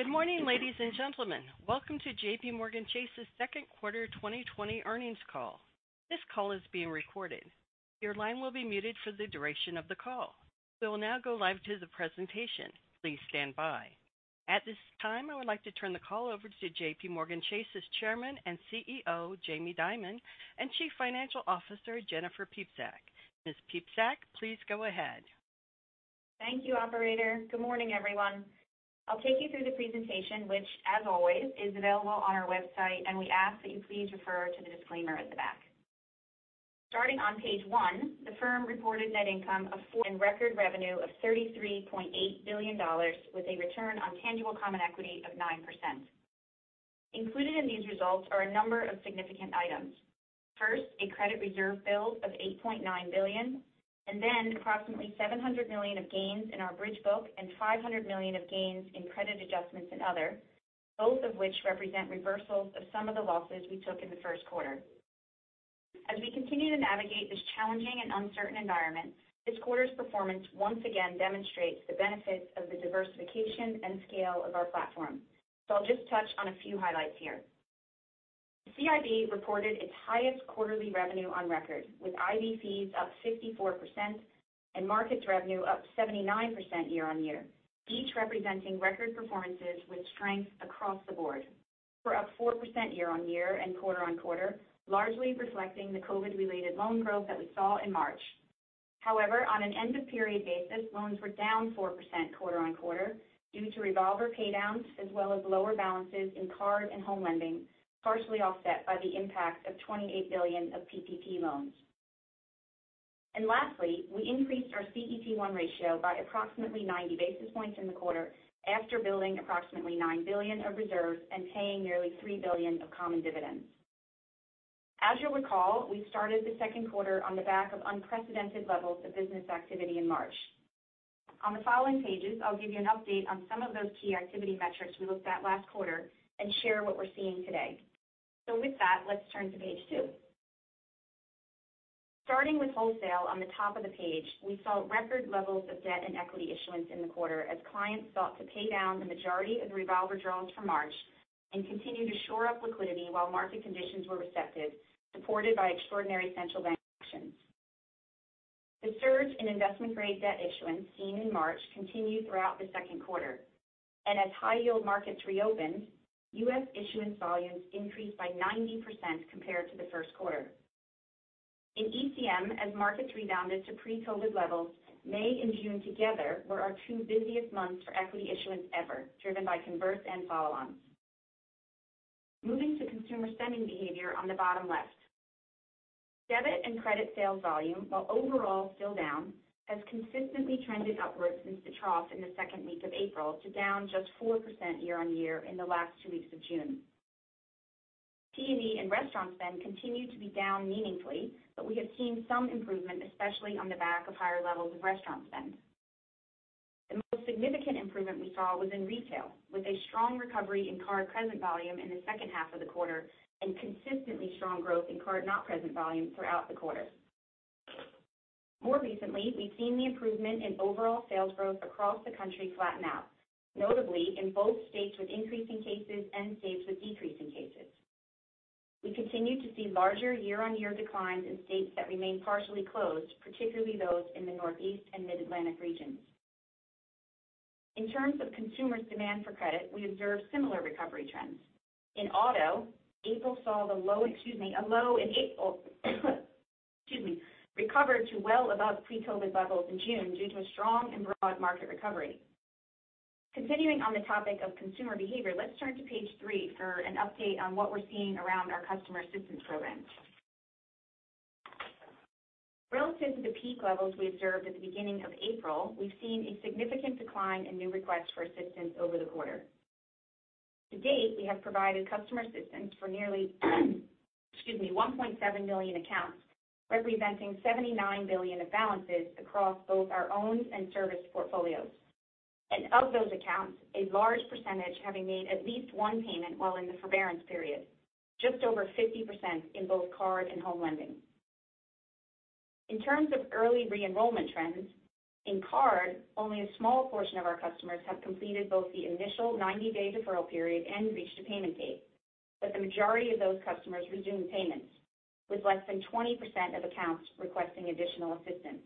Good morning, ladies and gentlemen. Welcome to JPMorgan Chase's second quarter 2020 earnings call. This call is being recorded. Your line will be muted for the duration of the call. We will now go live to the presentation. Please stand by. At this time, I would like to turn the call over to JPMorgan Chase's Chairman and CEO, Jamie Dimon, and Chief Financial Officer, Jennifer Piepszak. Ms. Piepszak, please go ahead. Thank you, operator. Good morning, everyone. I'll take you through the presentation, which as always is available on our website, and we ask that you please refer to the disclaimer at the back. Starting on page one, the firm reported net income of and record revenue of $33.8 billion with a return on tangible common equity of 9%. Included in these results are a number of significant items. First, a credit reserve build of $8.9 billion, and then approximately $700 million of gains in our bridge book and $500 million of gains in credit adjustments and other, both of which represent reversals of some of the losses we took in the first quarter. As we continue to navigate this challenging and uncertain environment, this quarter's performance once again demonstrates the benefits of the diversification and scale of our platform. I'll just touch on a few highlights here. CIB reported its highest quarterly revenue on record, with IB fees up 54% and markets revenue up 79% year-on-year, each representing record performances with strength across the board. We're up 4% year-on-year and quarter-on-quarter, largely reflecting the COVID-related loan growth that we saw in March. On an end-of-period basis, loans were down 4% quarter-on-quarter due to revolver paydowns as well as lower balances in card and home lending, partially offset by the impact of $28 billion of PPP loans. Lastly, we increased our CET1 ratio by approximately 90 basis points in the quarter after building approximately $9 billion of reserves and paying nearly $3 billion of common dividends. As you'll recall, we started the second quarter on the back of unprecedented levels of business activity in March. On the following pages, I'll give you an update on some of those key activity metrics we looked at last quarter and share what we're seeing today. With that, let's turn to page two. Starting with wholesale on the top of the page, we saw record levels of debt and equity issuance in the quarter as clients sought to pay down the majority of the revolver drawings from March and continue to shore up liquidity while market conditions were receptive, supported by extraordinary central bank actions. The surge in investment-grade debt issuance seen in March continued throughout the second quarter. As high-yield markets reopened, U.S. issuance volumes increased by 90% compared to the first quarter. In ECM, as markets rebounded to pre-COVID levels, May and June together were our two busiest months for equity issuance ever, driven by converts and follow-ons. Moving to consumer spending behavior on the bottom left. Debit and credit sales volume, while overall still down, has consistently trended upwards since the trough in the second week of April to down just 4% year-on-year in the last two weeks of June. T&E and restaurant spend continue to be down meaningfully, but we have seen some improvement, especially on the back of higher levels of restaurant spend. The most significant improvement we saw was in retail, with a strong recovery in card-present volume in the second half of the quarter and consistently strong growth in card not-present volume throughout the quarter. More recently, we've seen the improvement in overall sales growth across the country flatten out, notably in both states with increasing cases and states with decreasing cases. We continue to see larger year-on-year declines in states that remain partially closed, particularly those in the Northeast and Mid-Atlantic regions. In terms of consumers' demand for credit, we observed similar recovery trends. In auto, April recovered to well above pre-COVID levels in June due to a strong and broad market recovery. Continuing on the topic of consumer behavior, let's turn to page three for an update on what we're seeing around our customer assistance programs. Relative to the peak levels we observed at the beginning of April, we've seen a significant decline in new requests for assistance over the quarter. To date, we have provided customer assistance for nearly 1.7 million accounts, representing $79 billion of balances across both our owned and serviced portfolios. Of those accounts, a large percentage having made at least one payment while in the forbearance period, just over 50% in both card and home lending. In terms of early re-enrollment trends, in card, only a small portion of our customers have completed both the initial 90-day deferral period and reached a payment date. The majority of those customers resumed payments, with less than 20% of accounts requesting additional assistance.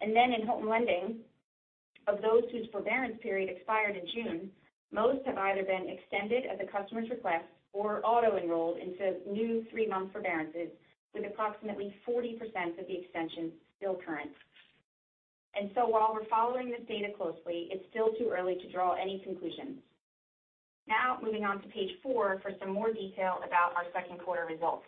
In home lending, of those whose forbearance period expired in June, most have either been extended at the customer's request or auto-enrolled into new three-month forbearances, with approximately 40% of the extensions still current. While we're following this data closely, it's still too early to draw any conclusions. Now, moving on to page four for some more detail about our second quarter results.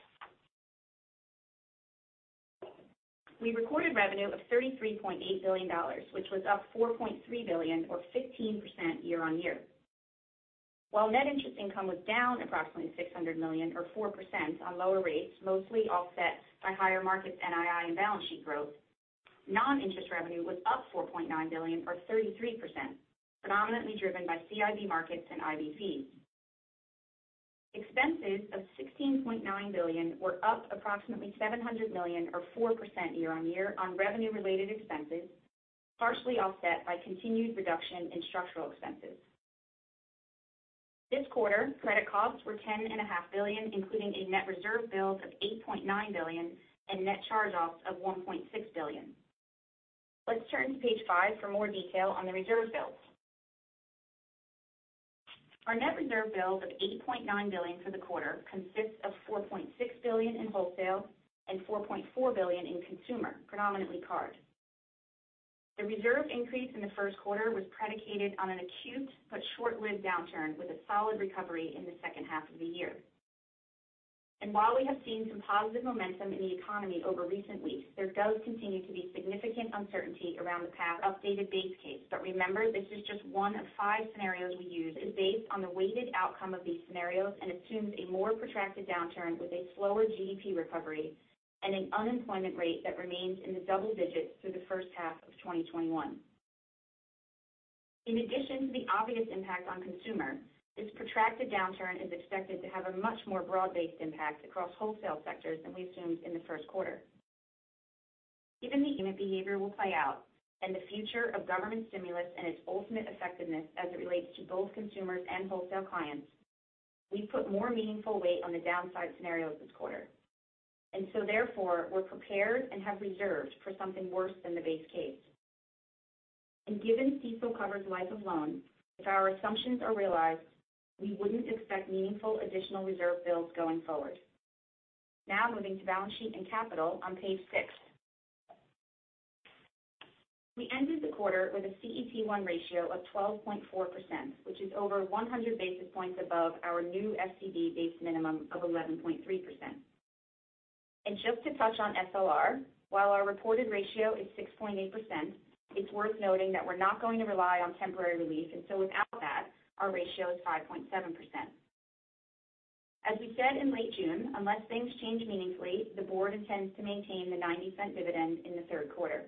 We recorded revenue of $33.8 billion, which was up $4.3 billion, or 15% year-on-year. While net interest income was down approximately $600 million or 4% on lower rates, mostly offset by higher markets NII and balance sheet growth, non-interest revenue was up $4.9 billion or 33%, predominantly driven by CIB markets and IB fees. Expenses of $16.9 billion were up approximately $700 million or 4% year-on-year on revenue-related expenses, partially offset by continued reduction in structural expenses. This quarter, credit costs were $10.5 billion, including a net reserve build of $8.9 billion and net charge-offs of $1.6 billion. Let's turn to page five for more detail on the reserve builds. Our net reserve build of $8.9 billion for the quarter consists of $4.6 billion in wholesale and $4.4 billion in consumer, predominantly card. The reserve increase in the first quarter was predicated on an acute but short-lived downturn with a solid recovery in the second half of the year. While we have seen some positive momentum in the economy over recent weeks, there does continue to be significant uncertainty around the [path updated base case.] Remember, this is just one of five scenarios we use is based on the weighted outcome of these scenarios and assumes a more protracted downturn with a slower GDP recovery and an unemployment rate that remains in the double digits through the first half of 2021. In addition to the obvious impact on consumer, this protracted downturn is expected to have a much more broad-based impact across wholesale sectors than we assumed in the first quarter. Given the [unit behavior] will play out and the future of government stimulus and its ultimate effectiveness as it relates to both consumers and wholesale clients, we put more meaningful weight on the downside scenario this quarter. Therefore, we're prepared and have reserved for something worse than the base case. Given CECL covers life of loan, if our assumptions are realized, we wouldn't expect meaningful additional reserve builds going forward. Now moving to balance sheet and capital on page six. We ended the quarter with a CET1 ratio of 12.4%, which is over 100 basis points above our new SCB base minimum of 11.3%. Just to touch on SLR, while our reported ratio is 6.8%, it's worth noting that we're not going to rely on temporary relief, and so without that, our ratio is 5.7%. As we said in late June, unless things change meaningfully, the board intends to maintain the $0.90 dividend in the third quarter.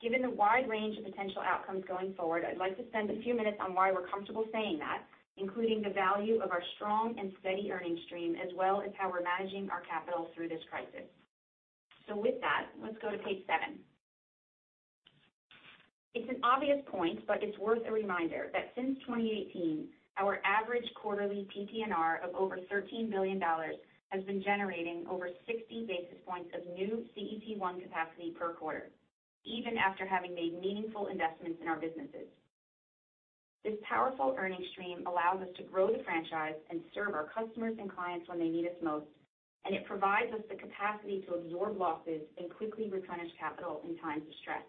Given the wide range of potential outcomes going forward, I'd like to spend a few minutes on why we're comfortable saying that, including the value of our strong and steady earnings stream as well as how we're managing our capital through this crisis. With that, let's go to page seven. It's an obvious point, it's worth a reminder that since 2018, our average quarterly PPNR of over $13 billion has been generating over 60 basis points of new CET1 capacity per quarter, even after having made meaningful investments in our businesses. This powerful earnings stream allows us to grow the franchise and serve our customers and clients when they need us most, and it provides us the capacity to absorb losses and quickly replenish capital in times of stress.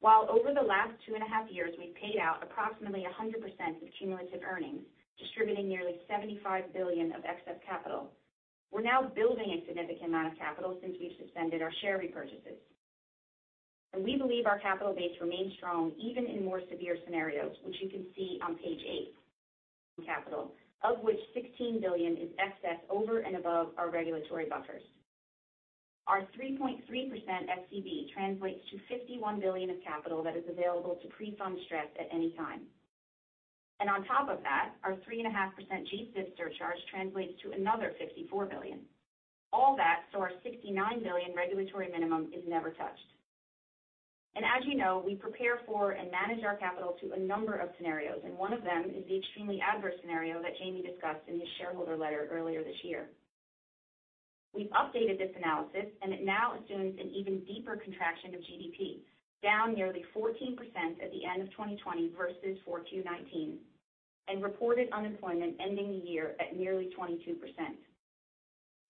While over the last two and a half years, we've paid out approximately 100% of cumulative earnings, distributing nearly $75 billion of excess capital, we're now building a significant amount of capital since we've suspended our share repurchases. We believe our capital base remains strong even in more severe scenarios, which you can see on page eight. Capital, of which $16 billion is excess over and above our regulatory buffers. Our 3.3% SCB translates to $51 billion of capital that is available to pre-fund stress at any time. On top of that, our 3.5% G-SIB surcharge translates to another $54 billion. All that our $69 billion regulatory minimum is never touched. As you know, we prepare for and manage our capital to a number of scenarios, and one of them is the extremely adverse scenario that Jamie discussed in his shareholder letter earlier this year. We've updated this analysis, it now assumes an even deeper contraction of GDP, down nearly 14% at the end of 2020 [versus for 2019], and reported unemployment ending the year at nearly 22%.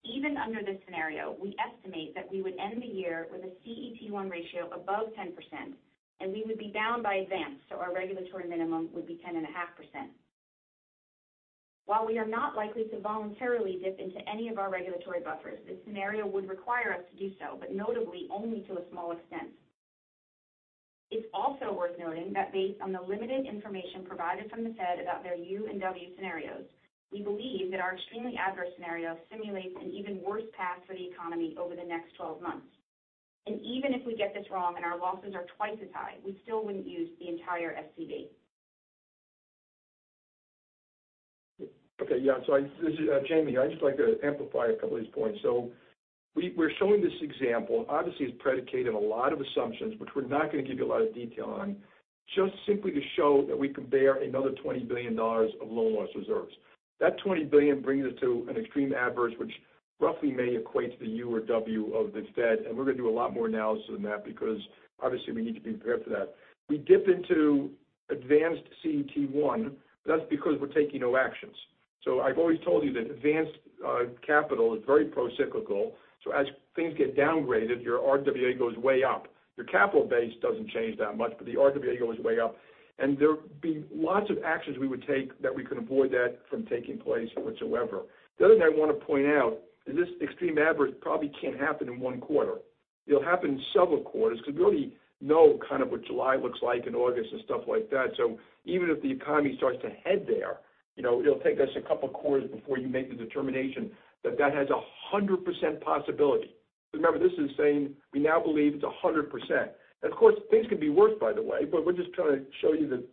Even under this scenario, we estimate that we would end the year with a CET1 ratio above 10%, we would be bound by advance, our regulatory minimum would be 10.5%. While we are not likely to voluntarily dip into any of our regulatory buffers, this scenario would require us to do so, notably only to a small extent. It's also worth noting that based on the limited information provided from the Fed about their U and W scenarios, we believe that our extremely adverse scenario simulates an even worse path for the economy over the next 12 months. Even if we get this wrong and our losses are twice as high, we still wouldn't use the entire SCB. Okay, yeah. This is Jamie. I'd just like to amplify a couple of these points. We're showing this example. Obviously, it's predicated on a lot of assumptions, which we're not going to give you a lot of detail on, just simply to show that we can bear another $20 billion of loan loss reserves. That $20 billion brings us to an extreme adverse, which roughly may equate to the U or W of this Fed, and we're going to do a lot more analysis than that because obviously we need to be prepared for that. We dip into advanced CET1, but that's because we're taking no actions. I've always told you that advanced capital is very pro-cyclical, so as things get downgraded, your RWA goes way up. Your capital base doesn't change that much, but the RWA goes way up. There would be lots of actions we would take that we could avoid that from taking place whatsoever. The other thing I want to point out is this extreme adverse probably can't happen in one quarter. It'll happen in several quarters because we already know kind of what July looks like and August and stuff like that. Even if the economy starts to head there, it'll take us a couple quarters before you make the determination that that has 100% possibility. Remember, this is saying we now believe it's 100%. Of course, things could be worse by the way, but we're just trying to show you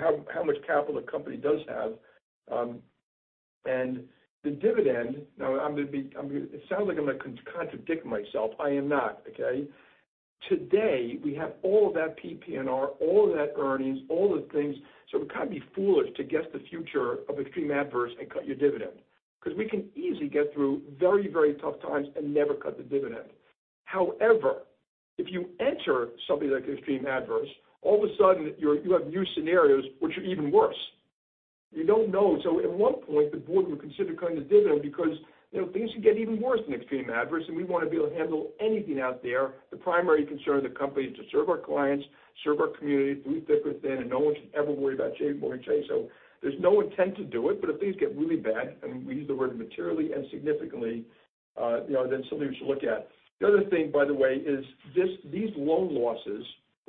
how much capital a company does have. The dividend. It sounds like I'm going to contradict myself. I am not, okay? Today, we have all of that PPNR, all of that earnings, all the things. It would kind of be foolish to guess the future of extreme adverse and cut your dividend because we can easily get through very, very tough times and never cut the dividend. However, if you enter something like extreme adverse, all of a sudden you have new scenarios which are even worse. You don't know. At one point, the board would consider cutting the dividend because things could get even worse than extreme adverse, and we want to be able to handle anything out there. The primary concern of the company is to serve our clients, serve our community through thick or thin, and no one should ever worry about JPMorgan Chase. There's no intent to do it, but if things get really bad, and we use the word materially and significantly, then it's something we should look at. The other thing, by the way, is these loan losses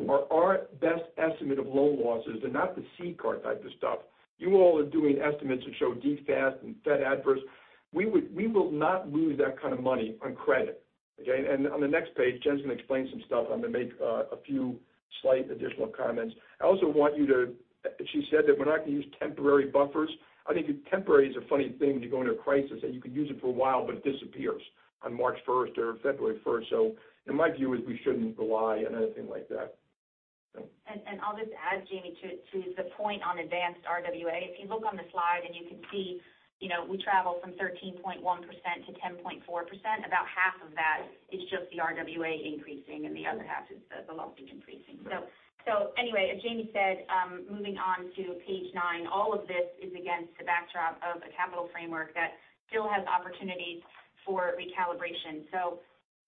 are our best estimate of loan losses. They're not the CCAR type of stuff. You all are doing estimates that show DFAST and Fed Adverse. We will not lose that kind of money on credit, okay? On the next page, Jen's going to explain some stuff. I'm going to make a few slight additional comments. She said that we're not going to use temporary buffers. I think temporary is a funny thing to go into a crisis that you could use it for a while, but it disappears on March 1st or February 1st. In my view is we shouldn't rely on anything like that. I'll just add, Jamie, to the point on advanced RWA. If you look on the slide and you can see, we travel from 13.1% to 10.4%. About half of that is just the RWA increasing, and the other half is the losses increasing. Right. Anyway, as Jamie said, moving on to page nine, all of this is against the backdrop of a capital framework that still has opportunities for recalibration.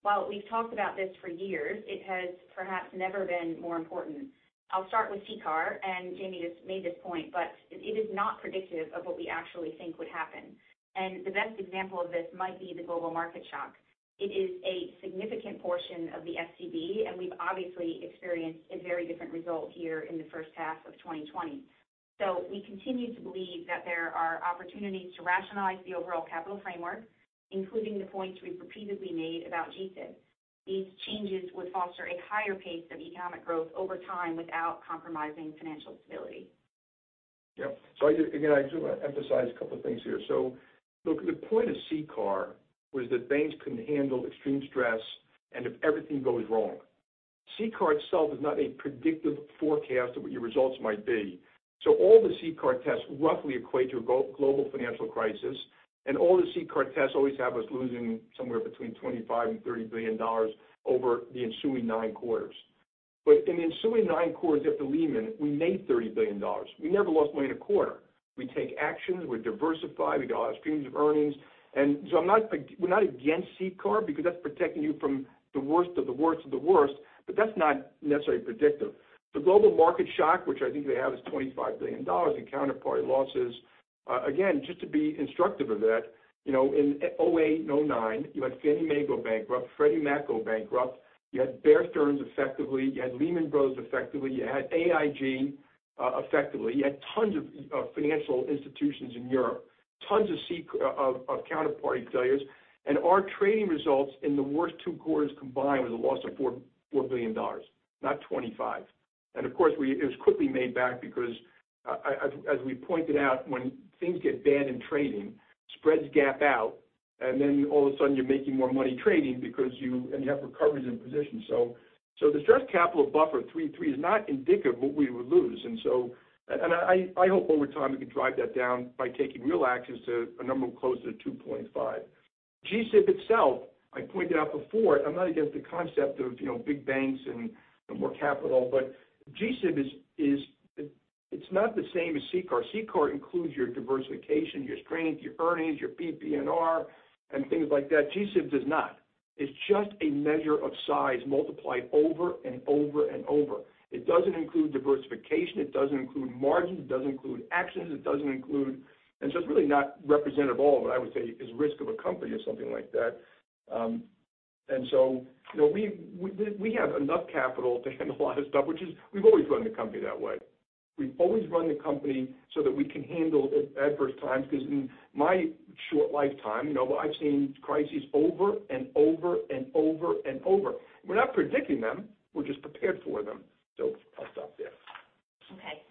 While we've talked about this for years, it has perhaps never been more important. I'll start with CCAR, and Jamie just made this point, but it is not predictive of what we actually think would happen. The best example of this might be the global market shock. It is a significant portion of the SCB, and we've obviously experienced a very different result here in the first half of 2020. We continue to believe that there are opportunities to rationalize the overall capital framework, including the points we've repeatedly made about G-SIB. These changes would foster a higher pace of economic growth over time without compromising financial stability. Yep. Again, I just want to emphasize a couple of things here. Look, the point of CCAR was that banks can handle extreme stress and if everything goes wrong. CCAR itself is not a predictive forecast of what your results might be. All the CCAR tests roughly equate to a global financial crisis, and all the CCAR tests always have us losing somewhere between $25 billion and $30 billion over the ensuing nine quarters. In the ensuing nine quarters after Lehman, we made $30 billion. We never lost money in a quarter. We take actions, we diversify, we got all streams of earnings. We're not against CCAR because that's protecting you from the worst of the worst of the worst, that's not necessarily predictive. The global market shock, which I think they have, is $25 billion in counterparty losses. Just to be instructive of that, in 2008 and 2009, you had Fannie Mae go bankrupt, Freddie Mac go bankrupt. You had Bear Stearns, effectively. You had Lehman Brothers, effectively. You had AIG, effectively. You had tons of financial institutions in Europe. Tons of counterparty failures. Our trading results in the worst two quarters combined was a loss of $4 billion, not 25. Of course, it was quickly made back because as we pointed out, when things get bad in trading, spreads gap out, and then all of a sudden you're making more money trading because you have recoveries in position. The Stress Capital Buffer of 3.3 is not indicative of what we would lose. I hope over time we can drive that down by taking real actions to a number closer to 2.5. G-SIB itself, I pointed out before, I'm not against the concept of big banks and more capital, G-SIB it's not the same as CCAR. CCAR includes your diversification, your strength, your earnings, your PPNR, and things like that. G-SIB does not. It's just a measure of size multiplied over and over and over. It doesn't include diversification. It doesn't include margins. It doesn't include actions. It's just really not representative at all of what I would say is risk of a company or something like that. We have enough capital to handle a lot of stuff, which is we've always run the company that way. We've always run the company so that we can handle adverse times because in my short lifetime, I've seen crises over and over and over and over. We're not predicting them. We're just prepared for them. I'll stop there. Okay.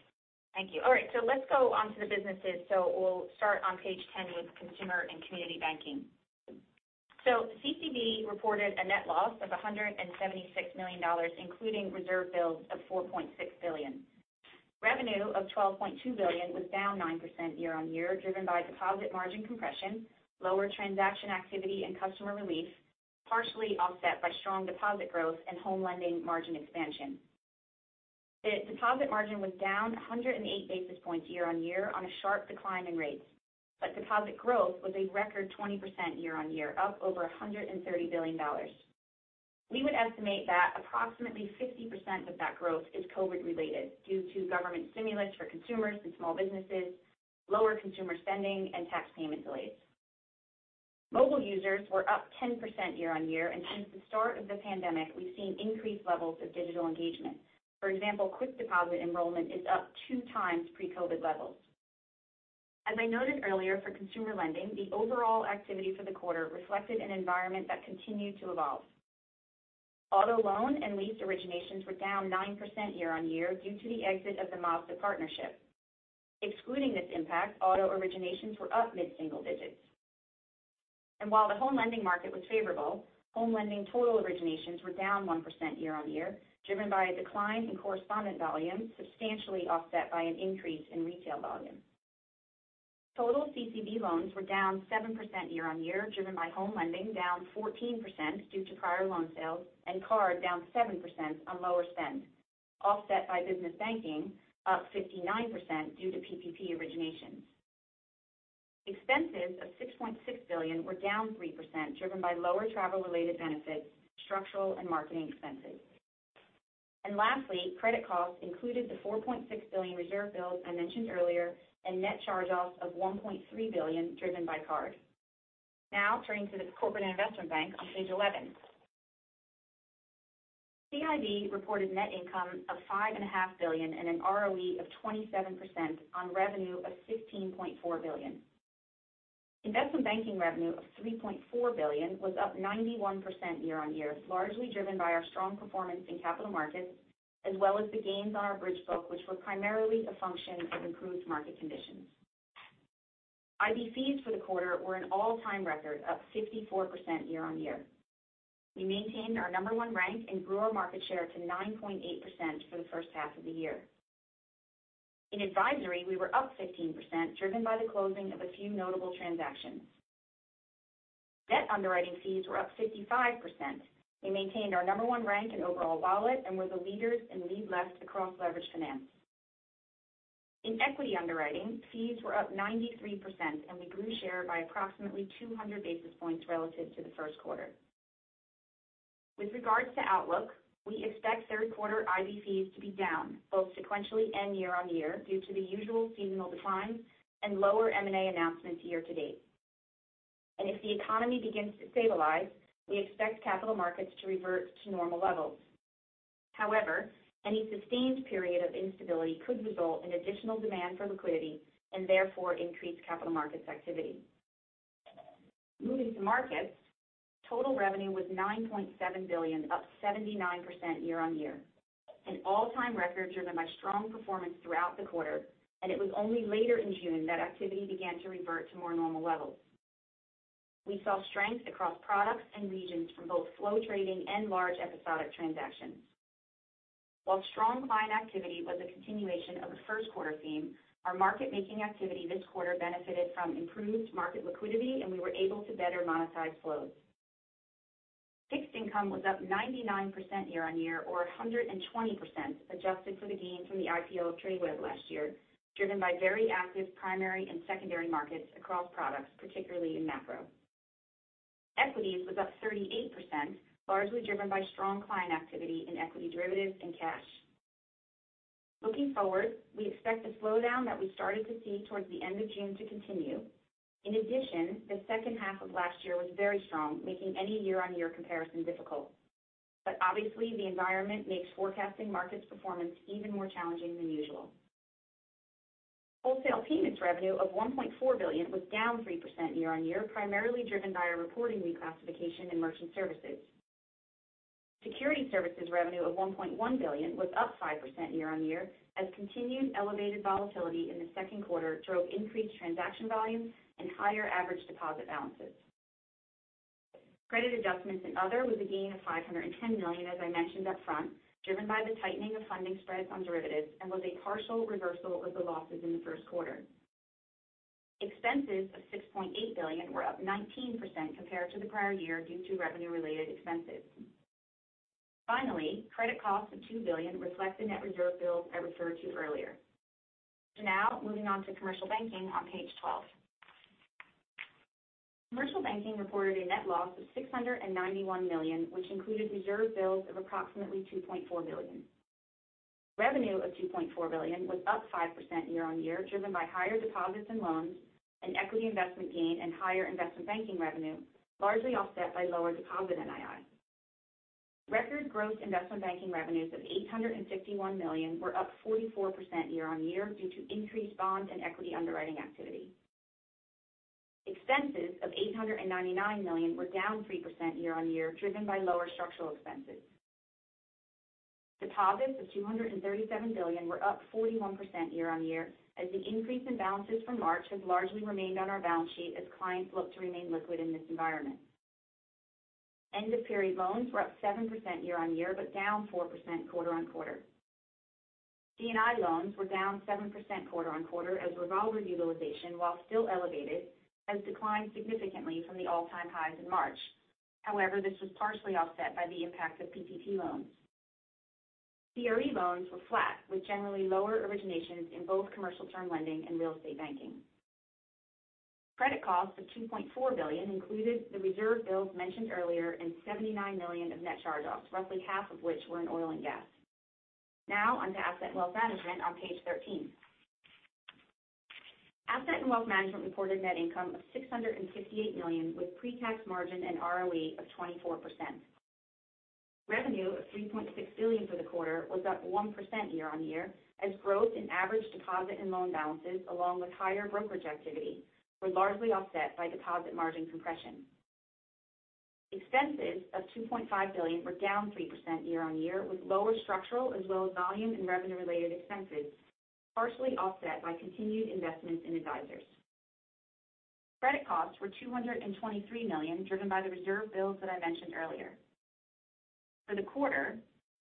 Thank you. All right. Let's go onto the businesses. We'll start on page 10 with Consumer and Community Banking. CCB reported a net loss of $176 million, including reserve builds of $4.6 billion. Revenue of $12.2 billion was down 9% year-on-year, driven by deposit margin compression, lower transaction activity, and customer relief, partially offset by strong deposit growth and home lending margin expansion. The deposit margin was down 108 basis points year-on-year on a sharp decline in rates. Deposit growth was a record 20% year-on-year, up over $130 billion. We would estimate that approximately 50% of that growth is COVID related due to government stimulus for consumers and small businesses, lower consumer spending, and tax payment delays. Mobile users were up 10% year-on-year, and since the start of the pandemic, we've seen increased levels of digital engagement. For example, QuickDeposit enrollment is up 2 times pre-COVID levels. As I noted earlier for consumer lending, the overall activity for the quarter reflected an environment that continued to evolve. Auto loan and lease originations were down 9% year-on-year due to the exit of the Mazda partnership. Excluding this impact, auto originations were up mid-single digits. While the home lending market was favorable, home lending total originations were down 1% year-on-year, driven by a decline in correspondent volume, substantially offset by an increase in retail volume. Total CCB loans were down 7% year-on-year, driven by home lending down 14% due to prior loan sales, and card down 7% on lower spend, offset by business banking up 59% due to PPP originations. Expenses of $6.6 billion were down 3%, driven by lower travel-related benefits, structural and marketing expenses. Lastly, credit costs included the $4.6 billion reserve build I mentioned earlier, and net charge-offs of $1.3 billion driven by card. Turning to the Corporate and Investment Bank on page 11. CIB reported net income of $5.5 billion and an ROE of 27% on revenue of $16.4 billion. Investment Banking revenue of $3.4 billion was up 91% year-on-year, largely driven by our strong performance in capital markets, as well as the gains on our bridge book, which were primarily a function of improved market conditions. IB fees for the quarter were an all-time record, up 54% year-on-year. We maintained our number one rank and grew our market share to 9.8% for the first half of the year. In advisory, we were up 15%, driven by the closing of a few notable transactions. Net underwriting fees were up 55%. We maintained our number one rank in overall wallet and were the leaders in lead left across leveraged finance. In equity underwriting, fees were up 93%, and we grew share by approximately 200 basis points relative to the first quarter. With regards to outlook, we expect third quarter IB fees to be down, both sequentially and year-on-year, due to the usual seasonal declines and lower M&A announcements year to date. If the economy begins to stabilize, we expect capital markets to revert to normal levels. Any sustained period of instability could result in additional demand for liquidity and therefore increase capital markets activity. Moving to markets, total revenue was $9.7 billion, up 79% year-on-year, an all-time record driven by strong performance throughout the quarter, and it was only later in June that activity began to revert to more normal levels. We saw strength across products and regions from both flow trading and large episodic transactions. While strong client activity was a continuation of a first quarter theme, our market-making activity this quarter benefited from improved market liquidity, and we were able to better monetize flows. Fixed Income was up 99% year-on-year, or 120% adjusted for the gain from the IPO of Tradeweb last year, driven by very active primary and secondary markets across products, particularly in macro. Equities was up 38%, largely driven by strong client activity in equity derivatives and cash. Looking forward, we expect the slowdown that we started to see towards the end of June to continue. In addition, the second half of last year was very strong, making any year-on-year comparison difficult. Obviously, the environment makes forecasting markets performance even more challenging than usual. Wholesale payments revenue of $1.4 billion was down 3% year-on-year, primarily driven by our reporting reclassification in merchant services. Security services revenue of $1.1 billion was up 5% year-on-year, as continued elevated volatility in the second quarter drove increased transaction volumes and higher average deposit balances. Credit adjustments and other was a gain of $510 million, as I mentioned up front, driven by the tightening of funding spreads on derivatives, and was a partial reversal of the losses in the first quarter. Expenses of $6.8 billion were up 19% compared to the prior year due to revenue-related expenses. Finally, credit costs of $2 billion reflect the net reserve builds I referred to earlier. Now moving on to Commercial Banking on page 12. Commercial Banking reported a net loss of $691 million, which included reserve builds of approximately $2.4 billion. Revenue of $2.4 billion was up 5% year-on-year, driven by higher deposits and loans, an equity investment gain, and higher investment banking revenue, largely offset by lower deposit NII. Record gross investment banking revenues of $851 million were up 44% year-on-year due to increased bond and equity underwriting activity. Expenses of $899 million were down 3% year-on-year, driven by lower structural expenses. Deposits of $237 billion were up 41% year-on-year, as the increase in balances from March have largely remained on our balance sheet as clients look to remain liquid in this environment. End-of-period loans were up 7% year-on-year, but down 4% quarter-on-quarter. C&I loans were down 7% quarter-on-quarter as revolver utilization, while still elevated, has declined significantly from the all-time highs in March. However, this was partially offset by the impact of PPP loans. CRE loans were flat, with generally lower originations in both commercial term lending and real estate banking. Credit costs of $2.4 billion included the reserve builds mentioned earlier and $79 million of net charge-offs, roughly half of which were in oil and gas. Now on to Asset and Wealth Management on page 13. Asset and Wealth Management reported net income of $658 million with pre-tax margin and ROE of 24%. Revenue of $3.6 billion for the quarter was up 1% year-on-year, as growth in average deposit and loan balances, along with higher brokerage activity, were largely offset by deposit margin compression. Expenses of $2.5 billion were down 3% year-on-year, with lower structural as well as volume and revenue-related expenses partially offset by continued investments in advisors. Credit costs were $223 million, driven by the reserve builds that I mentioned earlier. For the quarter,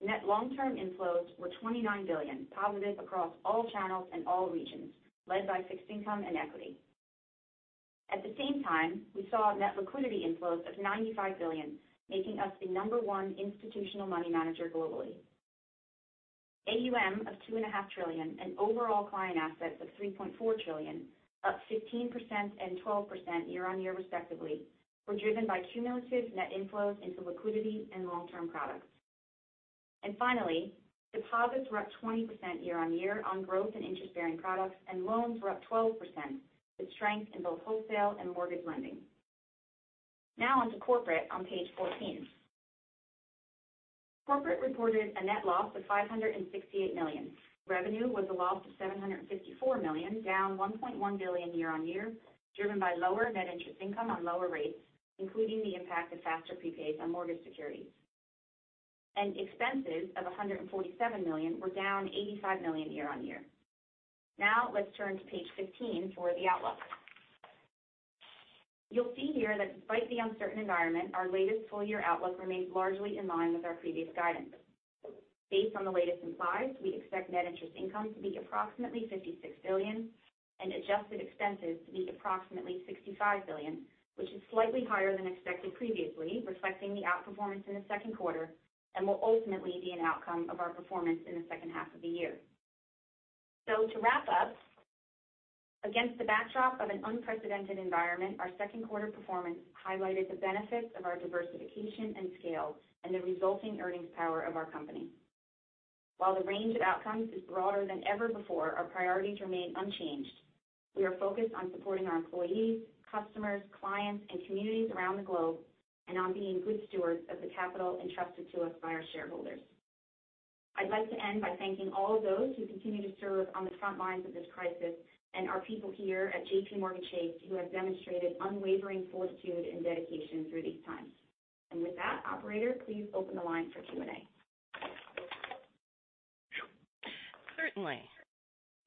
net long-term inflows were $29 billion, positive across all channels and all regions, led by fixed income and equity. At the same time, we saw net liquidity inflows of $95 billion, making us the number one institutional money manager globally. AUM of $2.5 trillion and overall client assets of $3.4 trillion, up 15% and 12% year-on-year respectively, were driven by cumulative net inflows into liquidity and long-term products. Deposits were up 20% year-on-year on growth in interest-bearing products, and loans were up 12%, with strength in both wholesale and mortgage lending. Corporate on page 14. Corporate reported a net loss of $568 million. Revenue was a loss of $754 million, down $1.1 billion year-on-year, driven by lower net interest income on lower rates, including the impact of faster prepays on mortgage securities. Expenses of $147 million were down $85 million year-on-year. Let's turn to page 15 for the outlook. You'll see here that despite the uncertain environment, our latest full-year outlook remains largely in line with our previous guidance. Based on the latest implieds, we expect net interest income to be approximately $56 billion and adjusted expenses to be approximately $65 billion, which is slightly higher than expected previously, reflecting the outperformance in the second quarter, and will ultimately be an outcome of our performance in the second half of the year. To wrap up, against the backdrop of an unprecedented environment, our second quarter performance highlighted the benefits of our diversification and scale and the resulting earnings power of our company. While the range of outcomes is broader than ever before, our priorities remain unchanged. We are focused on supporting our employees, customers, clients, and communities around the globe, and on being good stewards of the capital entrusted to us by our shareholders. I'd like to end by thanking all of those who continue to serve on the front lines of this crisis and our people here at JPMorgan Chase, who have demonstrated unwavering fortitude and dedication through these times. With that, operator, please open the line for Q&A. Certainly.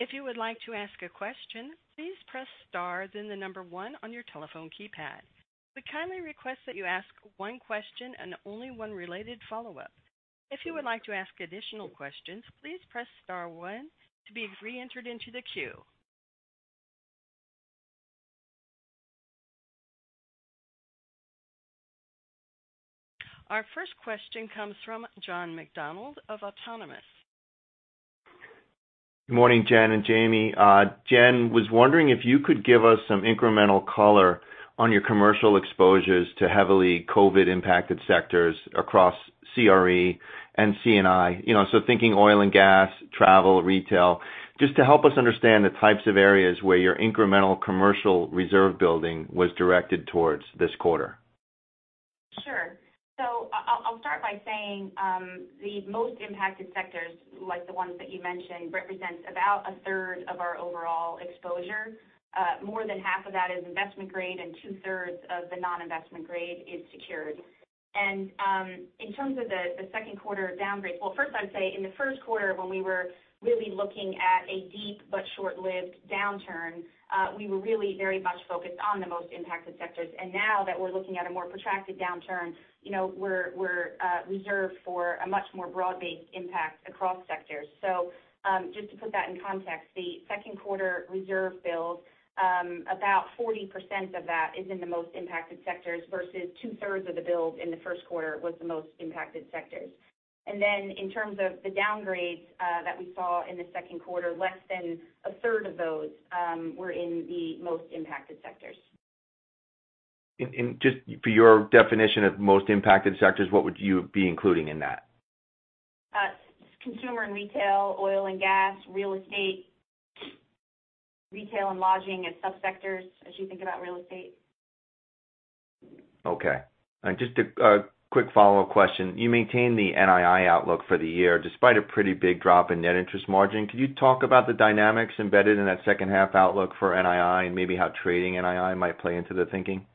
If you would like to ask a question, please press star, then the number one on your telephone keypad. We kindly request that you ask one question and only one related follow-up. If you would like to ask additional questions, please press star one to be re-entered into the queue. Our first question comes from John McDonald of Autonomous. Good morning, Jen and Jamie. Jen, was wondering if you could give us some incremental color on your commercial exposures to heavily COVID-impacted sectors across CRE and C&I. Thinking oil and gas, travel, retail. Just to help us understand the types of areas where your incremental commercial reserve building was directed towards this quarter. Sure. I'll start by saying the most impacted sectors, like the ones that you mentioned, represent about a third of our overall exposure. More than half of that is investment grade, and two-thirds of the non-investment grade is secured. In terms of the second quarter downgrades. Well, first I'd say in the first quarter, when we were really looking at a deep but short-lived downturn, we were really very much focused on the most impacted sectors. Now that we're looking at a more protracted downturn, we're reserved for a much more broad-based impact across sectors. Just to put that in context, the second quarter reserve build, about 40% of that is in the most impacted sectors, versus two-thirds of the build in the first quarter was the most impacted sectors. In terms of the downgrades that we saw in the second quarter, less than a third of those were in the most impacted sectors. Just for your definition of most impacted sectors, what would you be including in that? Consumer and retail, oil and gas, real estate, retail and lodging, and subsectors as you think about real estate. Okay. Just a quick follow-up question? You maintained the NII outlook for the year despite a pretty big drop in net interest margin. Could you talk about the dynamics embedded in that second half outlook for NII and maybe how trading NII might play into the thinking?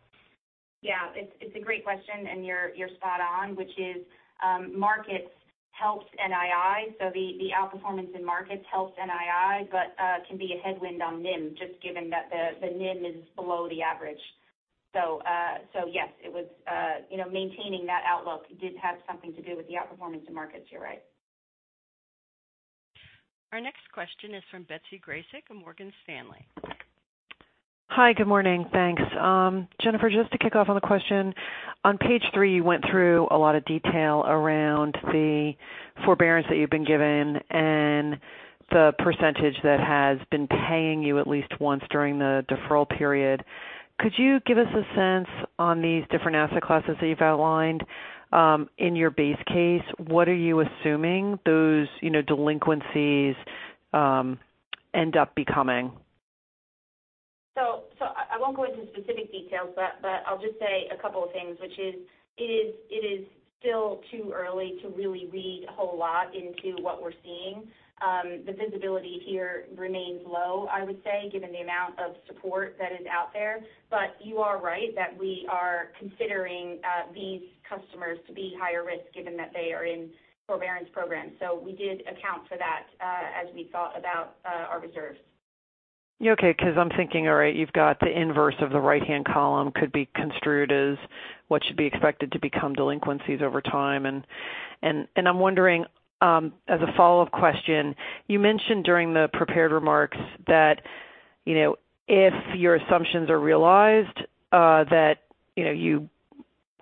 Yeah. It's a great question, and you're spot on, which is markets helped NII. The outperformance in markets helped NII but can be a headwind on NIM, just given that the NIM is below the average. Yes, maintaining that outlook did have something to do with the outperformance in markets. You're right. Our next question is from Betsy Graseck of Morgan Stanley. Hi. Good morning. Thanks. Jennifer, just to kick off on the question. On page three, you went through a lot of detail around the forbearance that you've been given and the percentage that has been paying you at least once during the deferral period. Could you give us a sense on these different asset classes that you've outlined? In your base case, what are you assuming those delinquencies end up becoming? I won't go into specific details, but I'll just say a couple of things, which is, it is still too early to really read a whole lot into what we're seeing. The visibility here remains low, I would say, given the amount of support that is out there. You are right that we are considering these customers to be higher risk given that they are in forbearance programs. We did account for that as we thought about our reserves. Okay. I'm thinking, all right, you've got the inverse of the right-hand column could be construed as what should be expected to become delinquencies over time. I'm wondering, as a follow-up question, you mentioned during the prepared remarks that if your assumptions are realized, that you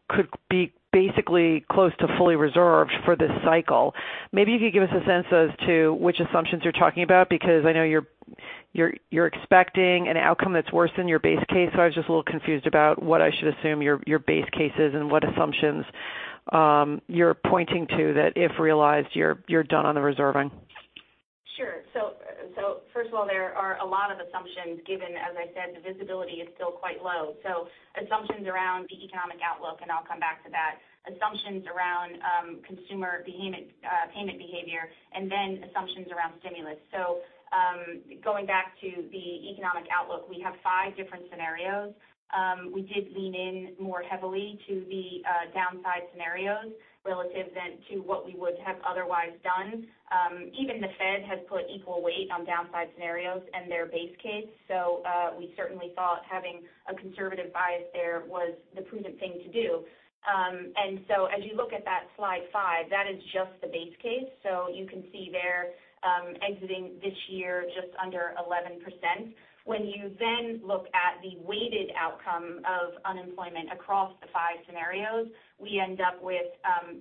could be basically close to fully reserved for this cycle. Maybe you could give us a sense as to which assumptions you're talking about, because I know you're expecting an outcome that's worse than your base case. I was just a little confused about what I should assume your base case is and what assumptions you're pointing to that if realized, you're done on the reserving. Sure. First of all, there are a lot of assumptions given, as I said, the visibility is still quite low. Assumptions around the economic outlook, I'll come back to that. Assumptions around consumer payment behavior, assumptions around stimulus. Going back to the economic outlook, we have five different scenarios. We did lean in more heavily to the downside scenarios relative then to what we would have otherwise done. Even the Fed has put equal weight on downside scenarios and their base case. We certainly thought having a conservative bias there was the prudent thing to do. As you look at that slide five, that is just the base case. You can see there exiting this year just under 11%. You then look at the weighted outcome of unemployment across the five scenarios, we end up with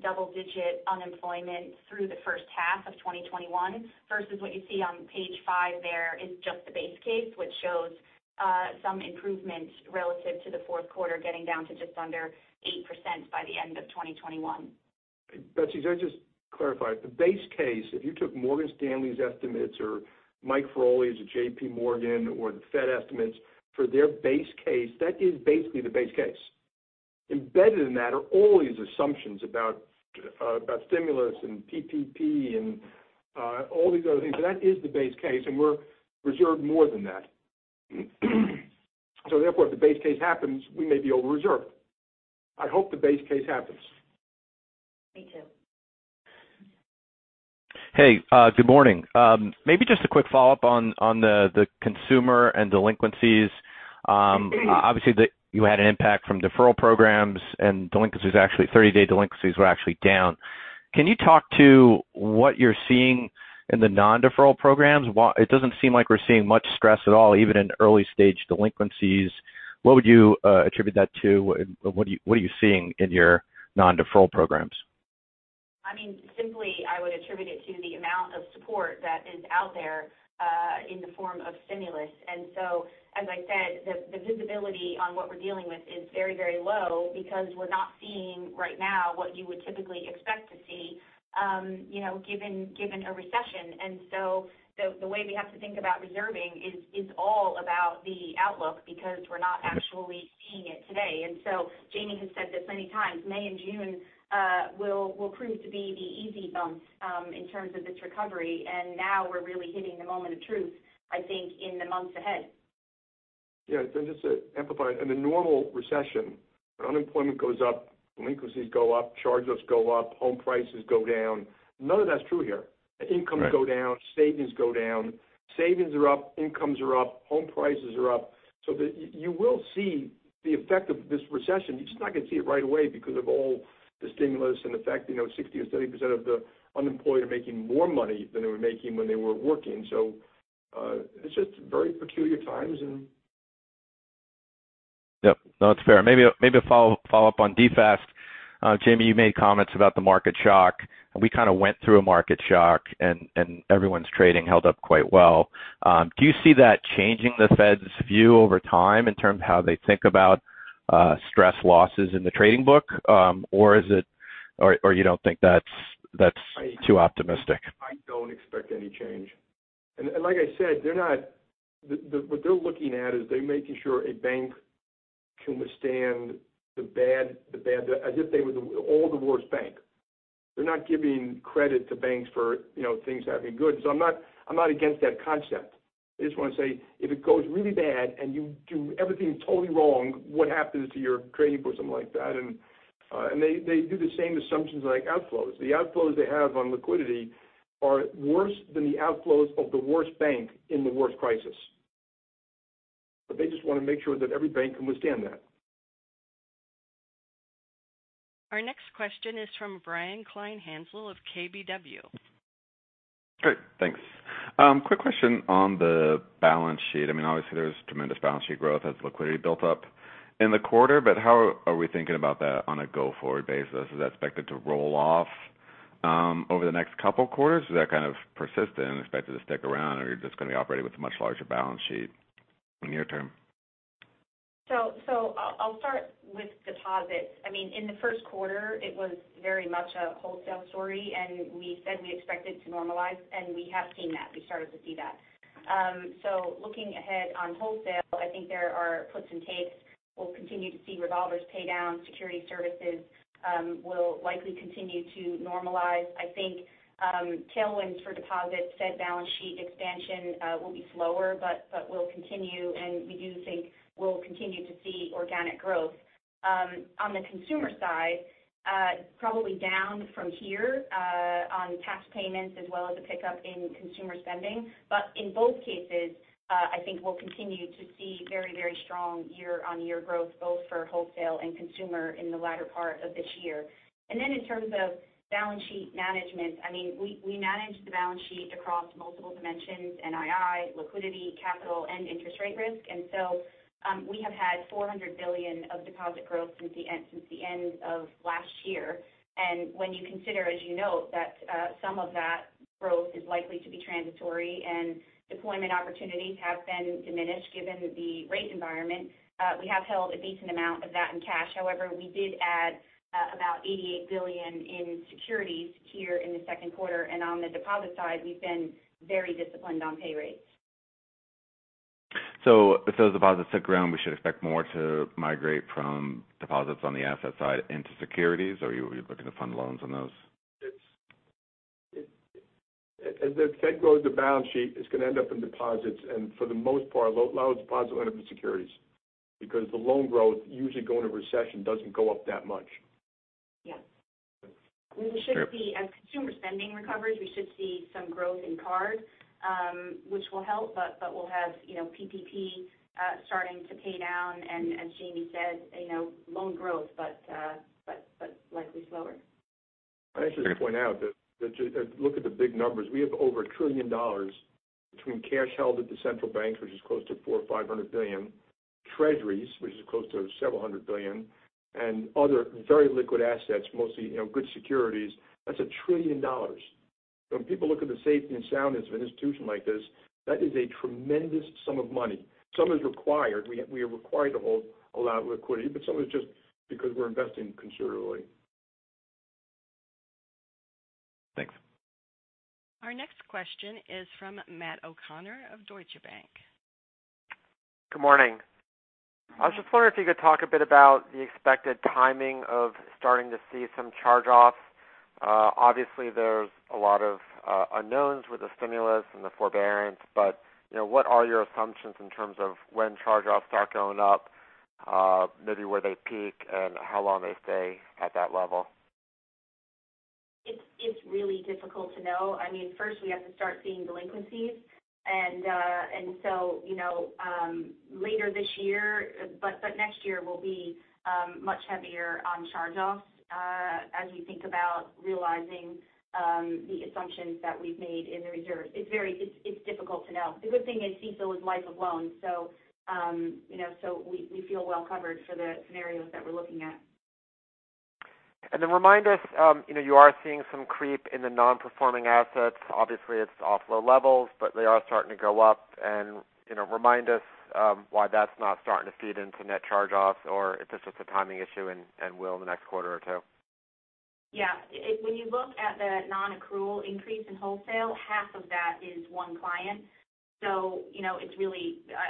double-digit unemployment through the first half of 2021. Versus what you see on page five there is just the base case, which shows some improvement relative to the fourth quarter getting down to just under 8% by the end of 2021. Betsy, could I just clarify? The base case, if you took Morgan Stanley's estimates or Michael Feroli's at JPMorgan or the Fed estimates for their base case, that is basically the base case. Embedded in that are all these assumptions about stimulus and PPP and all these other things. That is the base case, and we're reserved more than that. Therefore, if the base case happens, we may be over-reserved. I hope the base case happens. Me too. Hey, good morning. Maybe just a quick follow-up on the consumer and delinquencies. Obviously, you had an impact from deferral programs and 30-day delinquencies were actually down. Can you talk to what you're seeing in the non-deferral programs? It doesn't seem like we're seeing much stress at all, even in early-stage delinquencies. What would you attribute that to? What are you seeing in your non-deferral programs? Simply, I would attribute it to the amount of support that is out there in the form of stimulus. As I said, the visibility on what we're dealing with is very low because we're not seeing right now what you would typically expect to see given a recession. The way we have to think about reserving is all about the outlook because we're not actually seeing it today. Jamie has said this many times, May and June will prove to be the easy bumps in terms of this recovery. Now we're really hitting the moment of truth, I think, in the months ahead. Yeah. Just to amplify. In a normal recession, unemployment goes up, delinquencies go up, charge-offs go up, home prices go down. None of that's true here. Right. Incomes go down, savings go down. Savings are up, incomes are up, home prices are up. You will see the effect of this recession. You're just not going to see it right away because of all the stimulus and the fact 60% or 70% of the unemployed are making more money than they were making when they were working. It's just very peculiar times. Yep. No, that's fair. Maybe a follow-up on DFAST. Jamie, you made comments about the market shock, and we kind of went through a market shock, and everyone's trading held up quite well. Do you see that changing the Fed's view over time in terms of how they think about stress losses in the trading book? Or you don't think that's too optimistic? I don't expect any change. Like I said, what they're looking at is they're making sure a bank can withstand the bad, as if they were all the worst bank. They're not giving credit to banks for things having good. I'm not against that concept. I just want to say, if it goes really bad and you do everything totally wrong, what happens to your trading or something like that? They do the same assumptions like outflows. The outflows they have on liquidity are worse than the outflows of the worst bank in the worst crisis. They just want to make sure that every bank can withstand that. Our next question is from Brian Kleinhanzl of KBW. Great. Thanks. Quick question on the balance sheet. Obviously, there's tremendous balance sheet growth as liquidity built up in the quarter. How are we thinking about that on a go-forward basis? Is that expected to roll off over the next couple quarters? Is that kind of persistent and expected to stick around, or you're just going to be operating with a much larger balance sheet in the near term? I'll start with deposits. In the first quarter, it was very much a wholesale story, and we said we expected to normalize, and we have seen that. We started to see that. Looking ahead on wholesale, I think there are puts and takes. We'll continue to see revolvers pay down. Security services will likely continue to normalize. I think tailwinds for deposits, Fed balance sheet expansion will be slower, but will continue, and we do think we'll continue to see organic growth. On the consumer side, probably down from here on tax payments as well as a pickup in consumer spending. In both cases, I think we'll continue to see very strong year-on-year growth, both for wholesale and consumer in the latter part of this year. In terms of balance sheet management, we manage the balance sheet across multiple dimensions, NII, liquidity, capital, and interest rate risk. We have had $400 billion of deposit growth since the end of last year. When you consider, as you note, that some of that growth is likely to be transitory and deployment opportunities have been diminished given the rate environment, we have held a decent amount of that in cash. However, we did add about $88 billion in securities here in the second quarter. On the deposit side, we've been very disciplined on pay rates. If those deposits sit around, we should expect more to migrate from deposits on the asset side into securities, or you're looking to fund loans on those? As the Fed grows the balance sheet, it's going to end up in deposits, and for the most part, a lot of the deposits will end up in securities because the loan growth usually going into recession doesn't go up that much. Yeah. Okay. As consumer spending recovers, we should see some growth in card, which will help. We'll have PPP starting to pay down, and as Jamie said, loan growth, but likely slower. Okay. I should just point out that look at the big numbers. We have over $1 trillion between cash held at the central bank, which is close to $400 billion or $500 billion, treasuries, which is close to several hundred billion, and other very liquid assets, mostly good securities. That's $1 trillion. When people look at the safety and soundness of an institution like this, that is a tremendous sum of money. Some is required. We are required to hold a lot of liquidity, but some of it is just because we're investing considerably. Thanks. Our next question is from Matt O'Connor of Deutsche Bank. Good morning. I was just wondering if you could talk a bit about the expected timing of starting to see some charge-offs. Obviously, there's a lot of unknowns with the stimulus and the forbearance, but what are your assumptions in terms of when charge-offs start going up, maybe where they peak, and how long they stay at that level? It's really difficult to know. First we have to start seeing delinquencies. Later this year, but next year will be much heavier on charge-offs as you think about realizing the assumptions that we've made in the reserves. It's difficult to know. The good thing is CECL is life of loan, so we feel well covered for the scenarios that we're looking at. Remind us, you are seeing some creep in the non-performing assets. Obviously, it's off low levels, but they are starting to go up, and remind us why that's not starting to feed into net charge-offs, or if it's just a timing issue and will in the next quarter or two. Yeah. When you look at the non-accrual increase in wholesale, half of that is one client.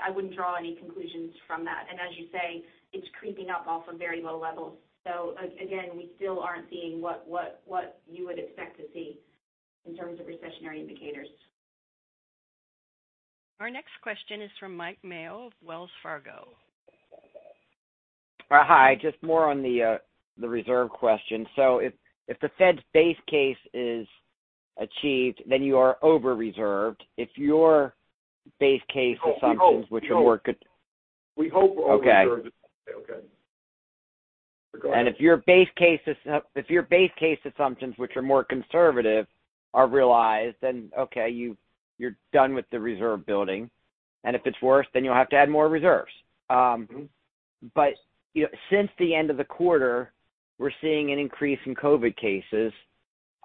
I wouldn't draw any conclusions from that. As you say, it's creeping up off of very low levels. Again, we still aren't seeing what you would expect to see in terms of recessionary indicators. Our next question is from Mike Mayo of Wells Fargo. Hi. Just more on the reserve question. If the Fed's base case is achieved, then you are over-reserved. If your base case assumptions which are more. We hope. We hope we're over-reserved at this point in time. Okay. Go ahead. If your base case assumptions, which are more conservative, are realized, then okay, you're done with the reserve building, and if it's worse, then you'll have to add more reserves. Since the end of the quarter, we're seeing an increase in COVID cases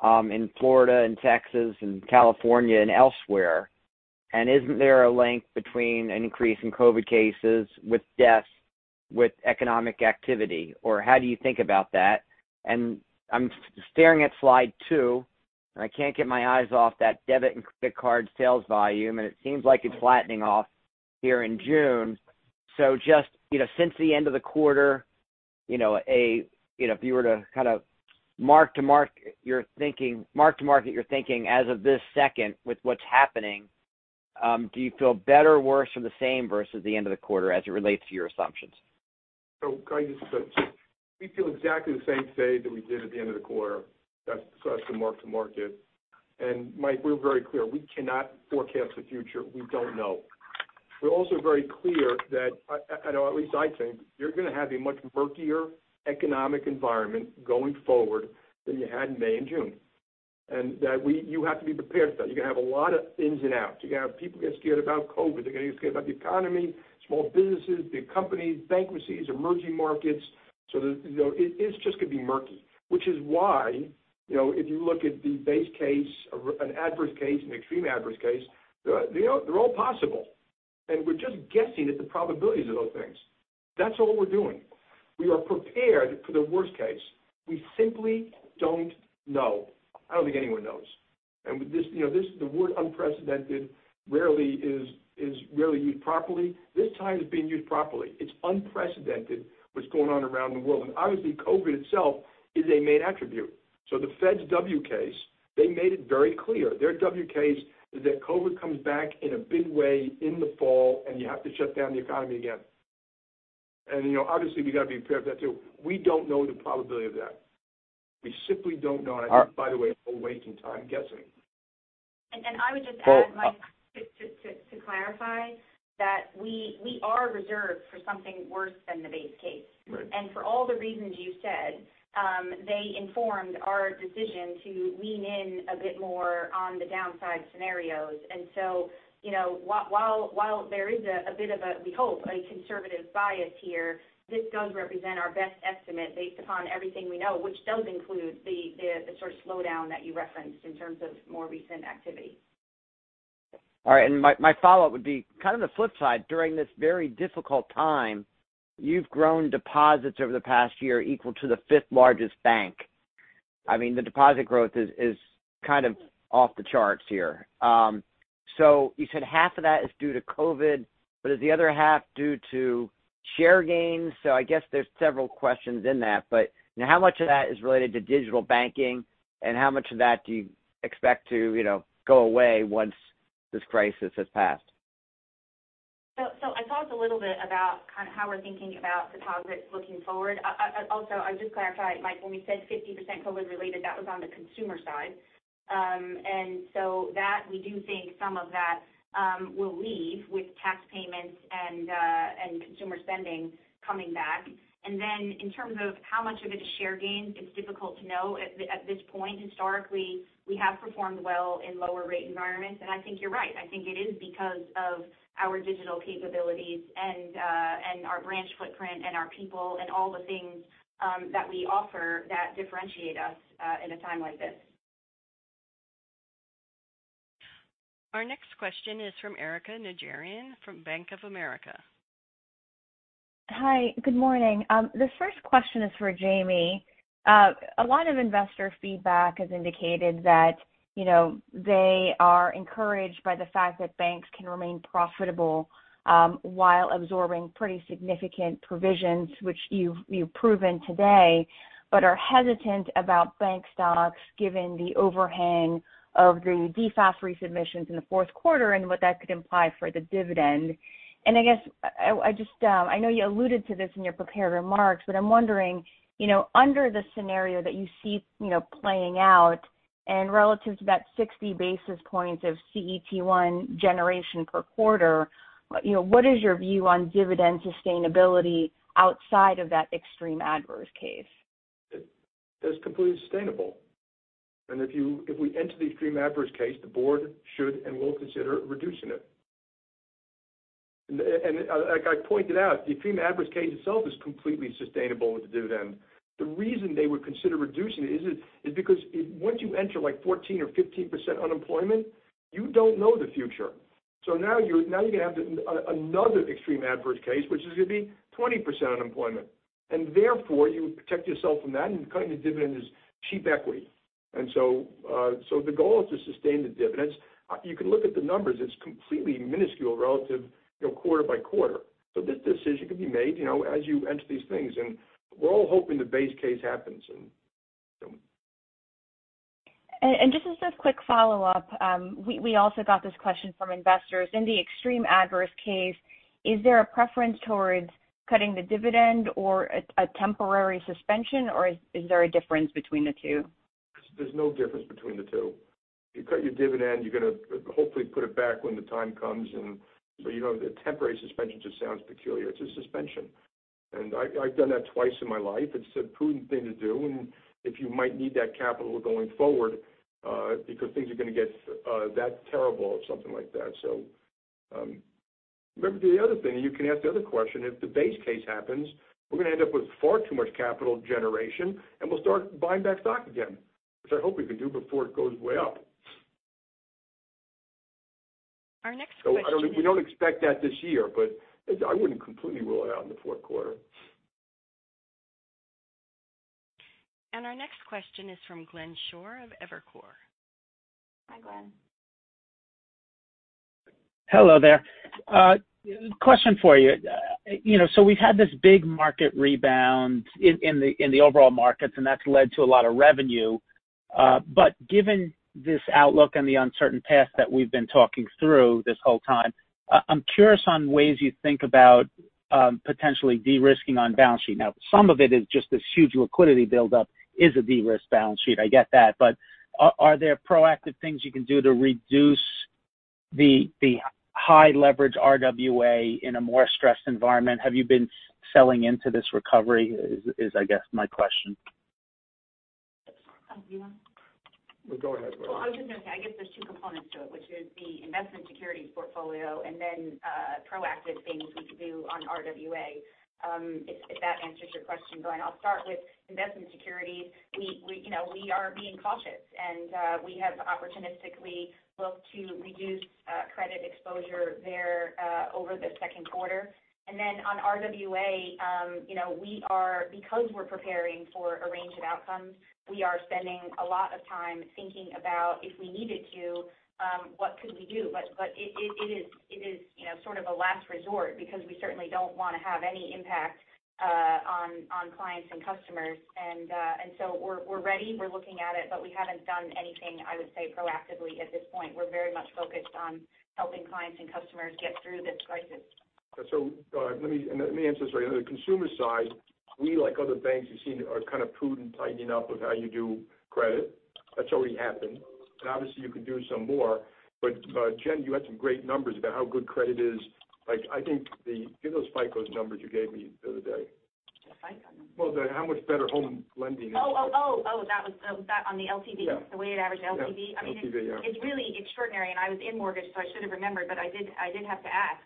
in Florida and Texas and California and elsewhere. Isn't there a link between an increase in COVID cases with deaths, with economic activity? How do you think about that? I'm staring at slide two, and I can't get my eyes off that debit and credit card sales volume, and it seems like it's flattening off here in June. Just since the end of the quarter, if you were to kind of mark to market your thinking as of this second with what's happening, do you feel better, worse, or the same versus the end of the quarter as it relates to your assumptions? We feel exactly the same today that we did at the end of the quarter as to mark to market. Mike, we're very clear. We cannot forecast the future. We don't know. We're also very clear that, at least I think, you're going to have a much murkier economic environment going forward than you had in May and June. That you have to be prepared for that. You're going to have a lot of ins and outs. You're going to have people get scared about COVID. They're going to get scared about the economy, small businesses, big companies, bankruptcies, emerging markets. It's just going to be murky. Which is why, if you look at the base case, an adverse case, an extreme adverse case, they're all possible. We're just guessing at the probabilities of those things. That's all we're doing. We are prepared for the worst case. We simply don't know. I don't think anyone knows. The word unprecedented rarely is used properly. This time it's being used properly. It's unprecedented what's going on around the world. Obviously, COVID itself is a main attribute. The Fed's W case, they made it very clear. Their W case is that COVID comes back in a big way in the fall, and you have to shut down the economy again. Obviously, we've got to be prepared for that, too. We don't know the probability of that. We simply don't know. I think, by the way, we're wasting time guessing. I would just add, Mike, to clarify that we are reserved for something worse than the base case. Right. For all the reasons you said, they informed our decision to lean in a bit more on the downside scenarios. While there is a bit of a, we hope, a conservative bias here, this does represent our best estimate based upon everything we know, which does include the sort of slowdown that you referenced in terms of more recent activity. All right. My follow-up would be kind of the flip side. During this very difficult time, you've grown deposits over the past year equal to the fifth largest bank. I mean, the deposit growth is kind of off the charts here. You said half of that is due to COVID, but is the other half due to share gains? I guess there's several questions in that, but how much of that is related to digital banking, and how much of that do you expect to go away once this crisis has passed? I talked a little bit about kind of how we're thinking about deposits looking forward. I'll just clarify, Mike, when we said 50% COVID related, that was on the consumer side. That we do think some of that will leave with tax payments and consumer spending coming back. Then in terms of how much of it is share gains, it's difficult to know at this point. Historically, we have performed well in lower rate environments, and I think you're right. I think it is because of our digital capabilities and our branch footprint and our people and all the things that we offer that differentiate us in a time like this. Our next question is from Erika Najarian from Bank of America. Hi. Good morning. This first question is for Jamie. A lot of investor feedback has indicated that they are encouraged by the fact that banks can remain profitable while absorbing pretty significant provisions, which you've proven today, but are hesitant about bank stocks given the overhang of the DFAST resubmissions in the fourth quarter and what that could imply for the dividend. I guess, I know you alluded to this in your prepared remarks, but I'm wondering, under the scenario that you see playing out and relative to that 60 basis points of CET1 generation per quarter, what is your view on dividend sustainability outside of that extreme adverse case? It's completely sustainable. If we enter the extreme adverse case, the board should and will consider reducing it. Like I pointed out, the extreme adverse case itself is completely sustainable with the dividend. The reason they would consider reducing it is because once you enter 14% or 15% unemployment, you don't know the future. Now you're going to have another extreme adverse case, which is going to be 20% unemployment. Therefore, you would protect yourself from that, and cutting the dividend is cheap equity. The goal is to sustain the dividends. You can look at the numbers. It's completely minuscule relative quarter by quarter. This decision can be made as you enter these things. We're all hoping the base case happens. Just as a quick follow-up, we also got this question from investors. In the extreme adverse case, is there a preference towards cutting the dividend or a temporary suspension, or is there a difference between the two? There's no difference between the two. You cut your dividend, you're going to hopefully put it back when the time comes. The temporary suspension just sounds peculiar. It's a suspension. I've done that twice in my life. It's a prudent thing to do, and if you might need that capital going forward because things are going to get that terrible or something like that. Remember the other thing, and you can ask the other question. If the base case happens, we're going to end up with far too much capital generation, and we'll start buying back stock again, which I hope we can do before it goes way up. Our next question. We don't expect that this year, but I wouldn't completely rule it out in the fourth quarter. Our next question is from Glenn Schorr of Evercore. Hi, Glenn. Hello there. Question for you. We've had this big market rebound in the overall markets, and that's led to a lot of revenue. Given this outlook and the uncertain path that we've been talking through this whole time, I'm curious on ways you think about potentially de-risking on balance sheet. Now, some of it is just this huge liquidity buildup is a de-risk balance sheet. I get that. Are there proactive things you can do to reduce the high leverage RWA in a more stressed environment? Have you been selling into this recovery is I guess my question. Yeah. Go ahead. Well, I was just going to say, I guess there's two components to it, which is the investment securities portfolio and then proactive things we could do on RWA. If that answers your question, Glenn. I'll start with investment securities. We are being cautious, and we have opportunistically looked to reduce credit exposure there over the second quarter. On RWA because we're preparing for a range of outcomes, we are spending a lot of time thinking about if we needed to, what could we do? It is sort of a last resort because we certainly don't want to have any impact on clients and customers. We're ready. We're looking at it, but we haven't done anything, I would say, proactively at this point. We're very much focused on helping clients and customers get through this crisis. Let me answer this for you. On the consumer side, we, like other banks you've seen, are kind of prudent tightening up of how you do credit. That's already happened. Obviously you could do some more. Jen, you had some great numbers about how good credit is. Give those FICO numbers you gave me the other day. The FICO numbers. Well, how much better home lending is. Oh. That on the LTV? Yeah. The weighted average LTV? Yeah. LTV, yeah. It's really extraordinary. I was in mortgage, so I should have remembered, but I did have to ask.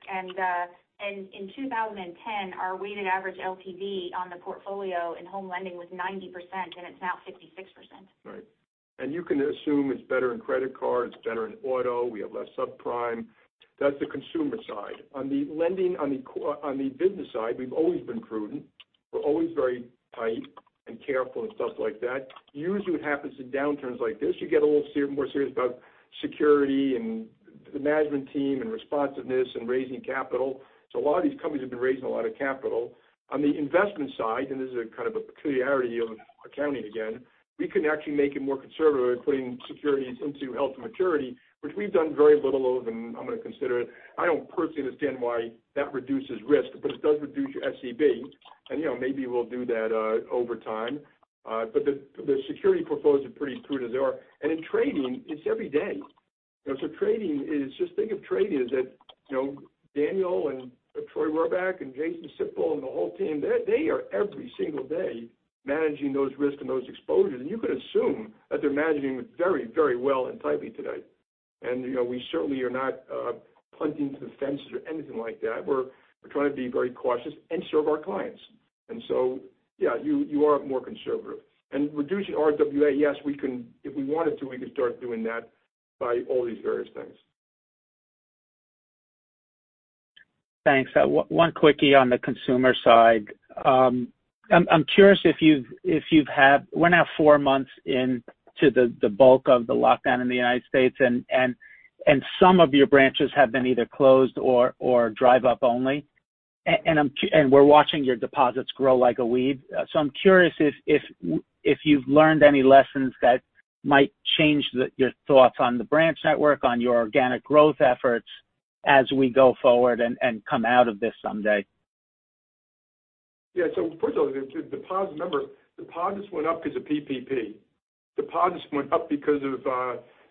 In 2010, our weighted average LTV on the portfolio in home lending was 90%, and it's now 56%. Right. You can assume it's better in credit cards, better in auto. We have less subprime. That's the consumer side. On the lending, on the business side, we've always been prudent. We're always very tight and careful and stuff like that. Usually what happens in downturns like this, you get a little more serious about security and the management team and responsiveness and raising capital. A lot of these companies have been raising a lot of capital. On the investment side, and this is a kind of a peculiarity of accounting again, we can actually make it more conservative putting securities into held to maturity, which we've done very little of, and I'm going to consider it. I don't personally understand why that reduces risk, but it does reduce your SCB. Maybe we'll do that over time. The security portfolios are pretty prudent as they are. In trading, it's every day. Just think of trading as that Daniel and Troy Rohrbaugh and Jason Sippel and the whole team, they are every single day managing those risks and those exposures. You could assume that they're managing very well and tightly today. We certainly are not punting to the fences or anything like that. We're trying to be very cautious and serve our clients. Yeah, you are more conservative. Reducing RWA, yes, if we wanted to, we could start doing that by all these various things. Thanks. One quickie on the consumer side. We're now four months into the bulk of the lockdown in the U.S., and some of your branches have been either closed or drive up only. We're watching your deposits grow like a weed. I'm curious if you've learned any lessons that might change your thoughts on the branch network, on your organic growth efforts as we go forward and come out of this someday. Yeah. First of all, remember, deposits went up because of PPP. Deposits went up because of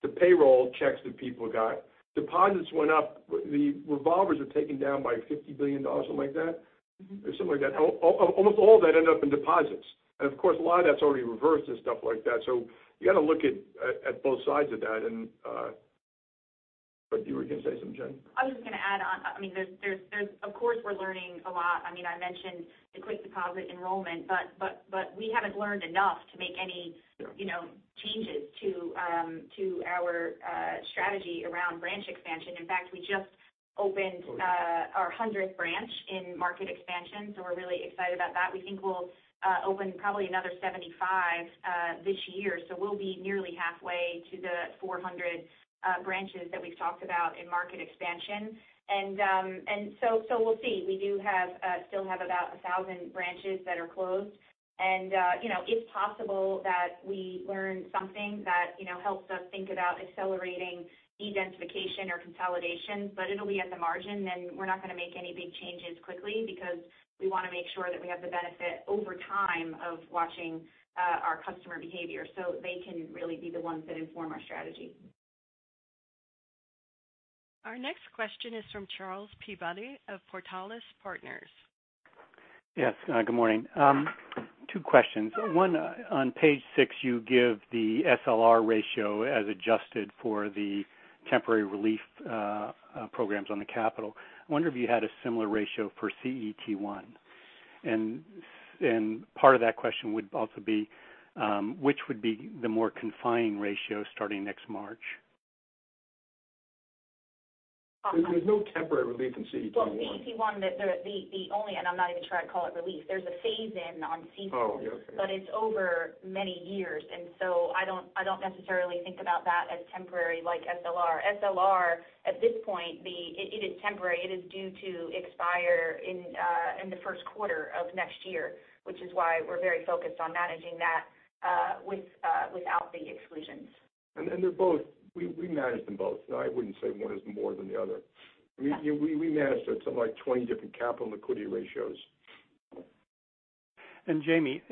the payroll checks that people got. Deposits went up. The revolvers are taken down by $50 billion, something like that? Almost all of that ended up in deposits. Of course, a lot of that's already reversed and stuff like that. You got to look at both sides of that. You were going to say something, Jen? I was just going to add on. Of course, we're learning a lot. I mentioned the quick deposit enrollment, but we haven't learned enough to make any changes to our strategy around branch expansion. In fact, we just opened our 100th branch in market expansion. We're really excited about that. We think we'll open probably another 75 this year. We'll be nearly halfway to the 400 branches that we've talked about in market expansion. We'll see. We do still have about 1,000 branches that are closed. It's possible that we learn something that helps us think about accelerating dedensification or consolidation, but it'll be at the margin, and we're not going to make any big changes quickly because we want to make sure that we have the benefit over time of watching our customer behavior so they can really be the ones that inform our strategy. Our next question is from Charles Peabody of Portales Partners. Yes. Good morning. Two questions. One, on page six, you give the SLR ratio as adjusted for the temporary relief programs on the capital. I wonder if you had a similar ratio for CET1. Part of that question would also be which would be the more confining ratio starting next March? There's no temporary relief in CET1. CET1, and I'm not even trying to call it relief. There's a phase in on CECL. Oh, yeah. Okay. It's over many years. I don't necessarily think about that as temporary like SLR. SLR, at this point, it is temporary. It is due to expire in the first quarter of next year, which is why we're very focused on managing that without the exclusions. We manage them both. I wouldn't say one is more than the other. Yeah. We manage something like 20 different capital liquidity ratios. Jamie,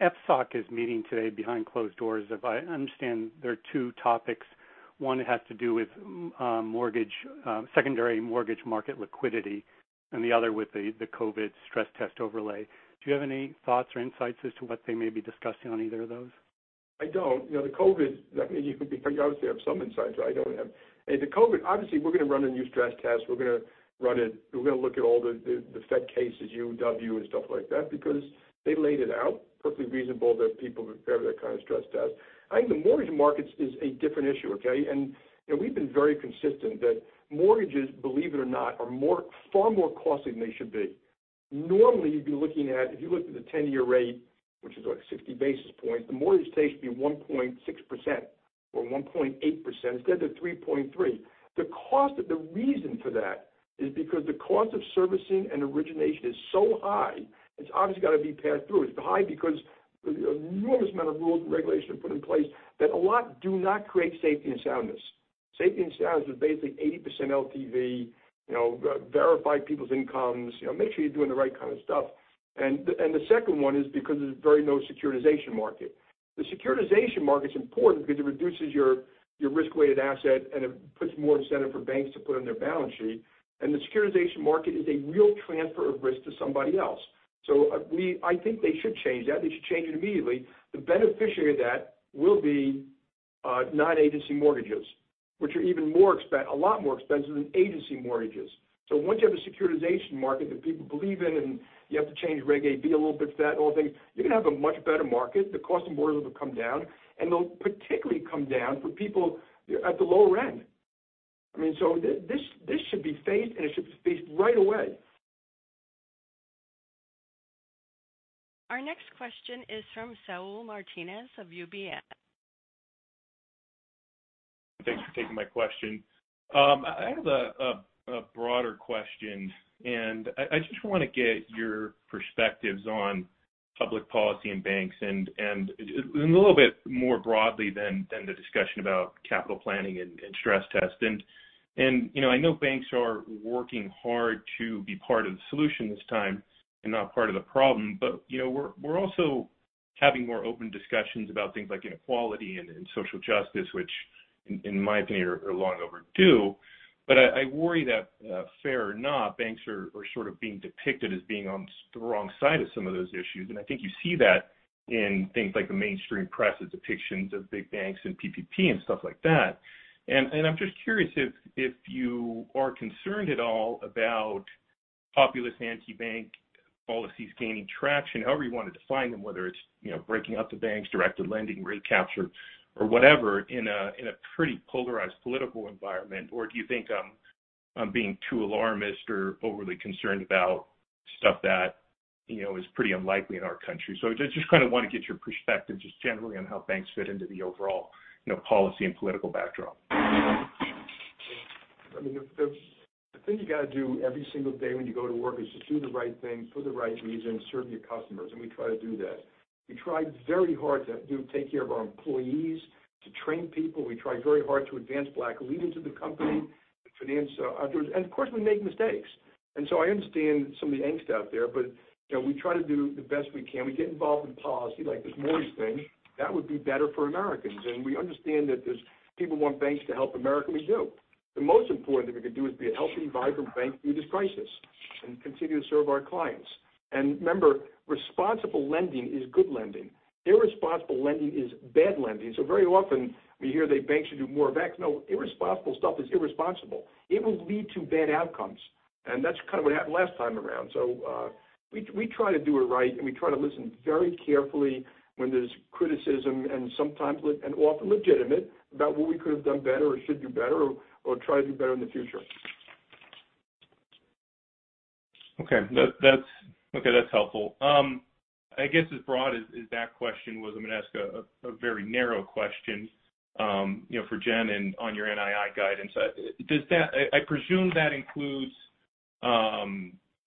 FSOC is meeting today behind closed doors. If I understand, there are two topics. One has to do with secondary mortgage market liquidity, and the other with the COVID stress test overlay. Do you have any thoughts or insights as to what they may be discussing on either of those? I don't. The COVID, obviously, we're going to run a new stress test. We're going to look at all the Fed cases, U, W and stuff like that because they laid it out. Perfectly reasonable that people prepare that kind of stress test. I think the mortgage markets is a different issue, okay? We've been very consistent that mortgages, believe it or not, are far more costly than they should be. Normally, you'd be looking at, if you looked at the 10-year rate, which is like 60 basis points, the mortgage rate should be 1.6% or 1.8% instead of 3.3%. The reason for that is because the cost of servicing and origination is so high, it's obviously got to be passed through. It's high because there's an enormous amount of rules and regulations are put in place that a lot do not create safety and soundness. Safety and soundness is basically 80% LTV, verify people's incomes, make sure you're doing the right kind of stuff. The second one is because there's very no securitization market. The securitization market's important because it reduces your risk-weighted asset and it puts more incentive for banks to put on their balance sheet. The securitization market is a real transfer of risk to somebody else. I think they should change that. They should change it immediately. The beneficiary of that will be non-agency mortgages, which are a lot more expensive than agency mortgages. Once you have a securitization market that people believe in, and you have to change Reg AB a little bit for that and all things, you're going to have a much better market. The cost of mortgages will come down, and they'll particularly come down for people at the lower end. This should be phased, and it should be phased right away. Our next question is from Saul Martinez of UBS. Thanks for taking my question. I have a broader question, I just want to get your perspectives on public policy and banks, and a little bit more broadly than the discussion about capital planning and stress test. I know banks are working hard to be part of the solution this time and not part of the problem. We're also having more open discussions about things like inequality and social justice, which in my opinion, are long overdue. I worry that, fair or not, banks are sort of being depicted as being on the wrong side of some of those issues. I think you see that in things like the mainstream press's depictions of big banks and PPP and stuff like that. I'm just curious if you are concerned at all about populist anti-bank policies gaining traction, however you want to define them, whether it's breaking up the banks, directed lending, rate caps or whatever in a pretty polarized political environment. Do you think I'm being too alarmist or overly concerned about stuff that is pretty unlikely in our country? I just kind of want to get your perspective just generally on how banks fit into the overall policy and political backdrop. The thing you got to do every single day when you go to work is just do the right thing for the right reason, serve your customers, and we try to do that. We try very hard to take care of our employees, to train people. We try very hard to advance black leaders in the company, to finance. Of course, we make mistakes. I understand some of the angst out there, but we try to do the best we can. We get involved in policy like this mortgage thing. That would be better for Americans. We understand that people want banks to help America, and we do. The most important thing we could do is be a healthy, vibrant bank through this crisis and continue to serve our clients. Remember, responsible lending is good lending. Irresponsible lending is bad lending. Very often we hear that banks should do more of X. No, irresponsible stuff is irresponsible. It will lead to bad outcomes. That's kind of what happened last time around. We try to do it right, and we try to listen very carefully when there's criticism and often legitimate about what we could have done better or should do better or try to do better in the future. Okay. That's helpful. I guess as broad as that question was, I'm going to ask a very narrow question for Jen and on your NII guidance. I presume that includes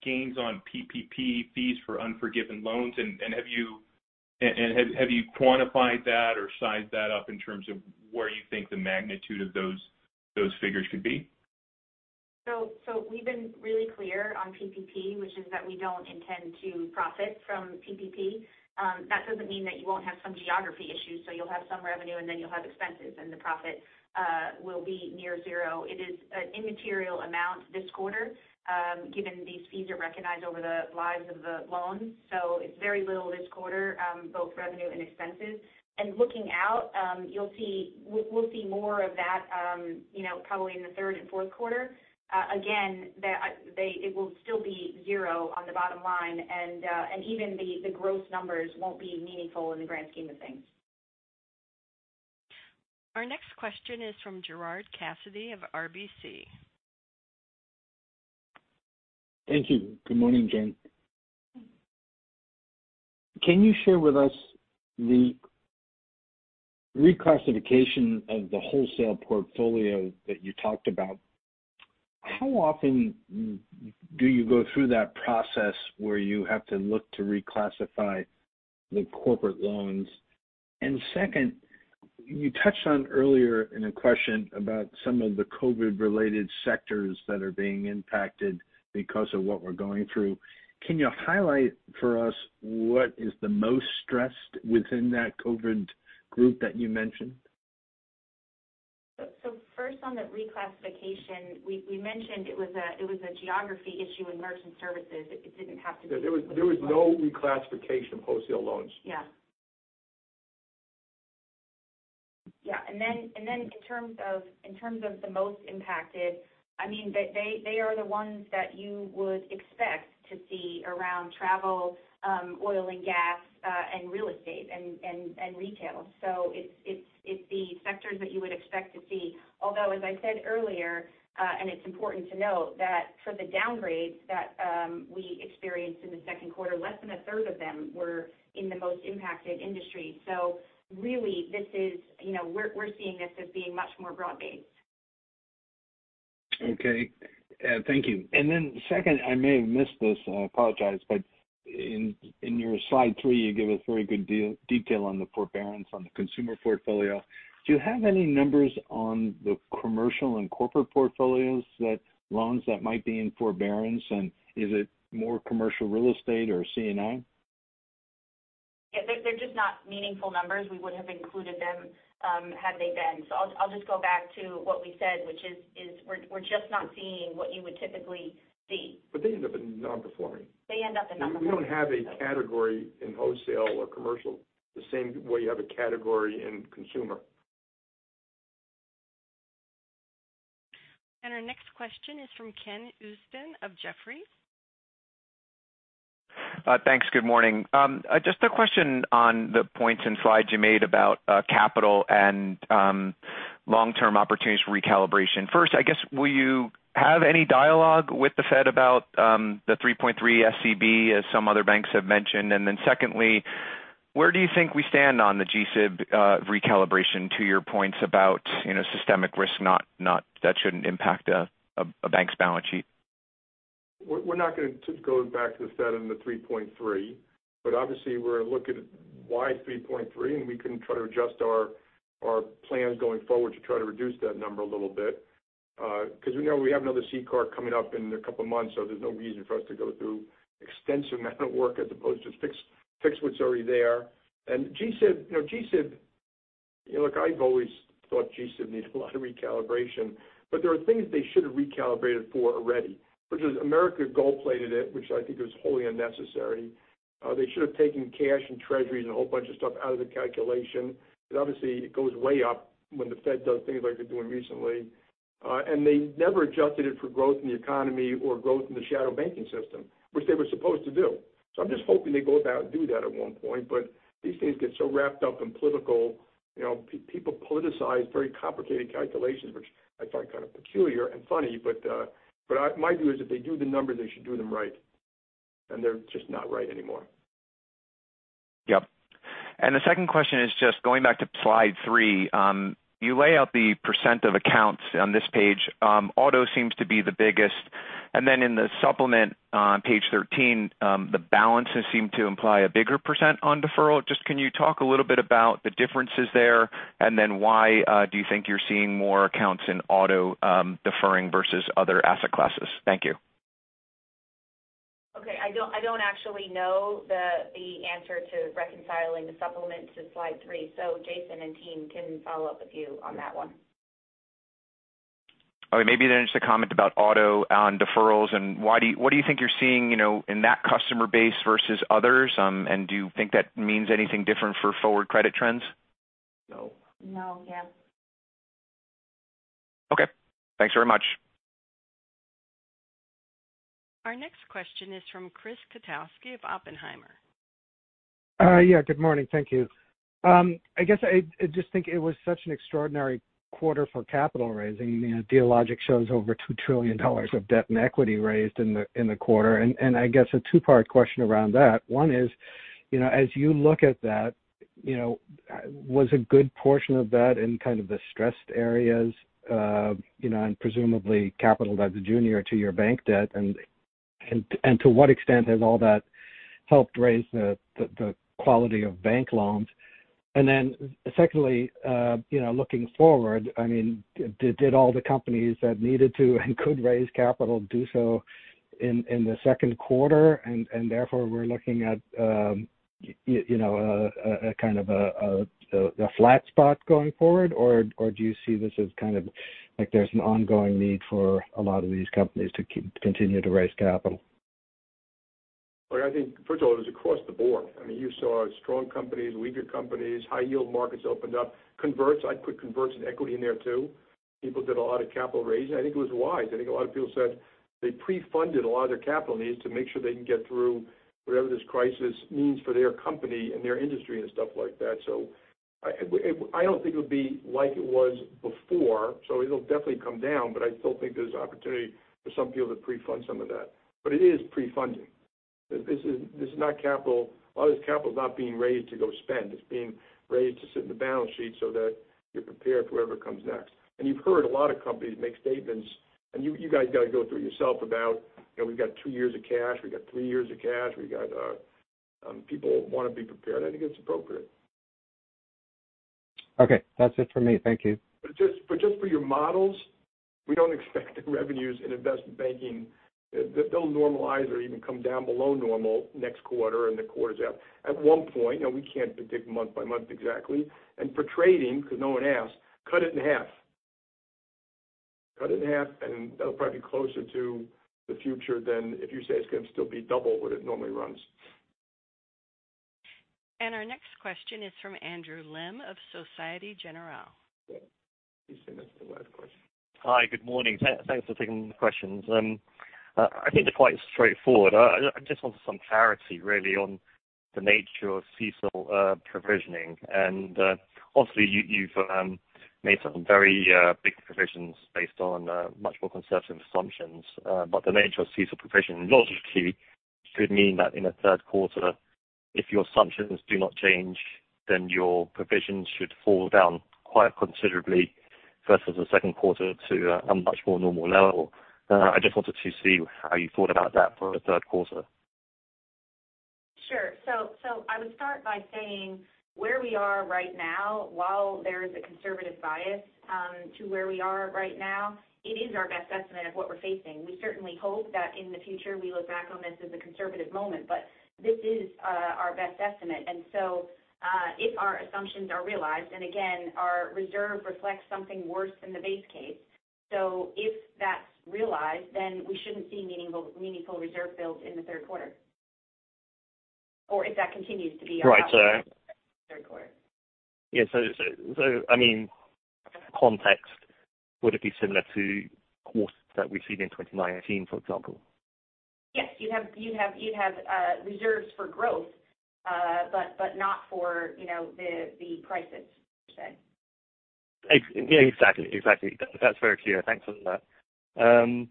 gains on PPP fees for unforgiven loans. Have you quantified that or sized that up in terms of where you think the magnitude of those figures could be? We've been really clear on PPP, which is that we don't intend to profit from PPP. That doesn't mean that you won't have some geography issues. You'll have some revenue and then you'll have expenses, and the profit will be near zero. It is an immaterial amount this quarter given these fees are recognized over the lives of the loans. It's very little this quarter, both revenue and expenses. Looking out, we'll see more of that probably in the third and fourth quarter. It will still be zero on the bottom line, and even the gross numbers won't be meaningful in the grand scheme of things. Our next question is from Gerard Cassidy of RBC. Thank you. Good morning, Jen. Can you share with us the reclassification of the wholesale portfolio that you talked about? How often do you go through that process where you have to look to reclassify the corporate loans? Second, you touched on earlier in a question about some of the COVID-related sectors that are being impacted because of what we're going through. Can you highlight for us what is the most stressed within that COVID group that you mentioned? First on the reclassification, we mentioned it was a geography issue in merchant services. There was no reclassification of wholesale loans. In terms of the most impacted, they are the ones that you would expect to see around travel, oil and gas, and real estate, and retail. It's the sectors that you would expect to see. Although, as I said earlier, and it's important to note, that for the downgrade that we experienced in the second quarter, less than a third of them were in the most impacted industry. Really, we're seeing this as being much more broad-based. Okay. Thank you. Second, I may have missed this, I apologize, but in your slide three, you give us very good detail on the forbearance on the consumer portfolio. Do you have any numbers on the commercial and corporate portfolios loans that might be in forbearance? Is it more commercial real estate or C&I? Yeah, they're just not meaningful numbers. We would have included them had they been. I'll just go back to what we said, which is we're just not seeing what you would typically see. They end up in non-performing. They end up in non-performing. You don't have a category in wholesale or commercial, the same way you have a category in consumer. Our next question is from Ken Usdin of Jefferies. Thanks. Good morning. Just a question on the points and slides you made about capital and long-term opportunities for recalibration. First, I guess, will you have any dialogue with the Fed about the 3.3 SCB as some other banks have mentioned? Secondly, where do you think we stand on the GSIB recalibration to your points about systemic risk that shouldn't impact a bank's balance sheet? We're not going to go back to the Fed on the 3.3. Obviously we're looking at why 3.3, and we can try to adjust our plans going forward to try to reduce that number a little bit. We know we have another CCAR coming up in a couple of months, so there's no reason for us to go through extensive amount of work as opposed to fix what's already there. GSIB. Look, I've always thought GSIB needs a lot of recalibration, but there are things they should have recalibrated for already, which is America gold-plated it, which I think was wholly unnecessary. They should have taken cash and treasuries and a whole bunch of stuff out of the calculation. Obviously it goes way up when the Fed does things like they're doing recently. They never adjusted it for growth in the economy or growth in the shadow banking system, which they were supposed to do. I'm just hoping they go about and do that at one point. These things get so wrapped up in political people politicize very complicated calculations, which I find kind of peculiar and funny. My view is if they do the numbers, they should do them right, and they're just not right anymore. Yep. The second question is just going back to slide three. You lay out the % of accounts on this page. Auto seems to be the biggest. In the supplement on page 13, the balances seem to imply a bigger % on deferral. Just can you talk a little bit about the differences there, and then why do you think you're seeing more accounts in auto deferring versus other asset classes? Thank you. Okay. I don't actually know the answer to reconciling the supplement to slide three. Jason and team can follow up with you on that one. Okay. Maybe just a comment about auto on deferrals, what do you think you're seeing in that customer base versus others? Do you think that means anything different for forward credit trends? No. No. Yeah. Okay. Thanks very much. Our next question is from Chris Kotowski of Oppenheimer. Yeah. Good morning. Thank you. I guess I just think it was such an extraordinary quarter for capital raising. Dealogic shows over $2 trillion of debt and equity raised in the quarter. I guess a two-part question around that. One is, as you look at that, was a good portion of that in kind of the stressed areas, and presumably capitalized as junior to your bank debt? To what extent has all that helped raise the quality of bank loans? Then secondly, looking forward, did all the companies that needed to and could raise capital do so in the second quarter, and therefore we're looking at kind of a flat spot going forward? Do you see this as kind of like there's an ongoing need for a lot of these companies to continue to raise capital? I think, first of all, it was across the board. You saw strong companies, weaker companies, high yield markets opened up. Converts. I'd put converts and equity in there too. People did a lot of capital raising. I think it was wise. I think a lot of people said they pre-funded a lot of their capital needs to make sure they can get through whatever this crisis means for their company and their industry and stuff like that. I don't think it'll be like it was before, it'll definitely come down, but I still think there's opportunity for some people to pre-fund some of that. It is pre-funding. A lot of this capital is not being raised to go spend. It's being raised to sit in the balance sheet so that you're prepared for whatever comes next. You've heard a lot of companies make statements, and you guys got to go through it yourself about, we've got two years of cash, we've got three years of cash. People want to be prepared. I think it's appropriate. Okay. That's it for me. Thank you. Just for your models. We don't expect the revenues in investment banking. They'll normalize or even come down below normal next quarter and the quarters after. At one point, we can't predict month by month exactly. For trading, because no one asked, cut it in half. Cut it in half, and that'll probably be closer to the future than if you say it's going to still be double what it normally runs. Our next question is from Andrew Lim of Societe Generale. Yeah. You said that's the last question. Hi, good morning. Thanks for taking the questions. I think they're quite straightforward. I just wanted some clarity really on the nature of CECL provisioning. Obviously, you've made some very big provisions based on much more conservative assumptions. The nature of CECL provision logically should mean that in the third quarter, if your assumptions do not change, then your provisions should fall down quite considerably versus the second quarter to a much more normal level. I just wanted to see how you thought about that for the third quarter. Sure. I would start by saying where we are right now, while there is a conservative bias to where we are right now, it is our best estimate of what we're facing. We certainly hope that in the future, we look back on this as a conservative moment. This is our best estimate. If our assumptions are realized, and again, our reserve reflects something worse than the base case. If that's realized, then we shouldn't see meaningful reserve builds in the third quarter. If that continues to be our assumption. Right. For the third quarter. Yeah. For context, would it be similar to quarters that we've seen in 2019, for example? Yes. You'd have reserves for growth, but not for the prices per se. Yeah, exactly. That's very clear. Thanks for that. On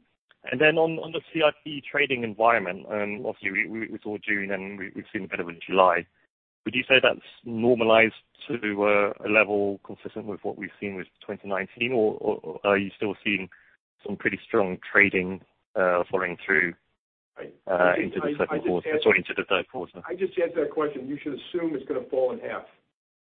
the CIB trading environment, obviously we saw June, and we've seen better in July. Would you say that's normalized to a level consistent with what we've seen with 2019? Are you still seeing some pretty strong trading following through into the second quarter, sorry, into the third quarter? I just answered that question. You should assume it's going to fall in half.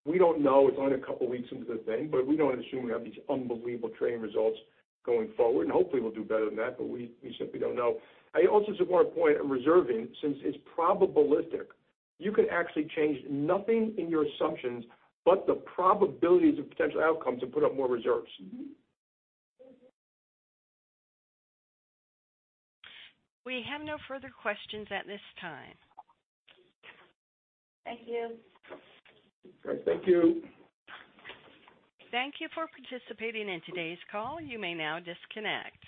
We don't know. It's only a couple of weeks into the thing, but we don't assume we have these unbelievable trading results going forward. Hopefully we'll do better than that, but we simply don't know. I also support a point on reserving since it's probabilistic. You could actually change nothing in your assumptions but the probabilities of potential outcomes and put up more reserves. We have no further questions at this time. Thank you. All right. Thank you. Thank you for participating in today's call. You may now disconnect.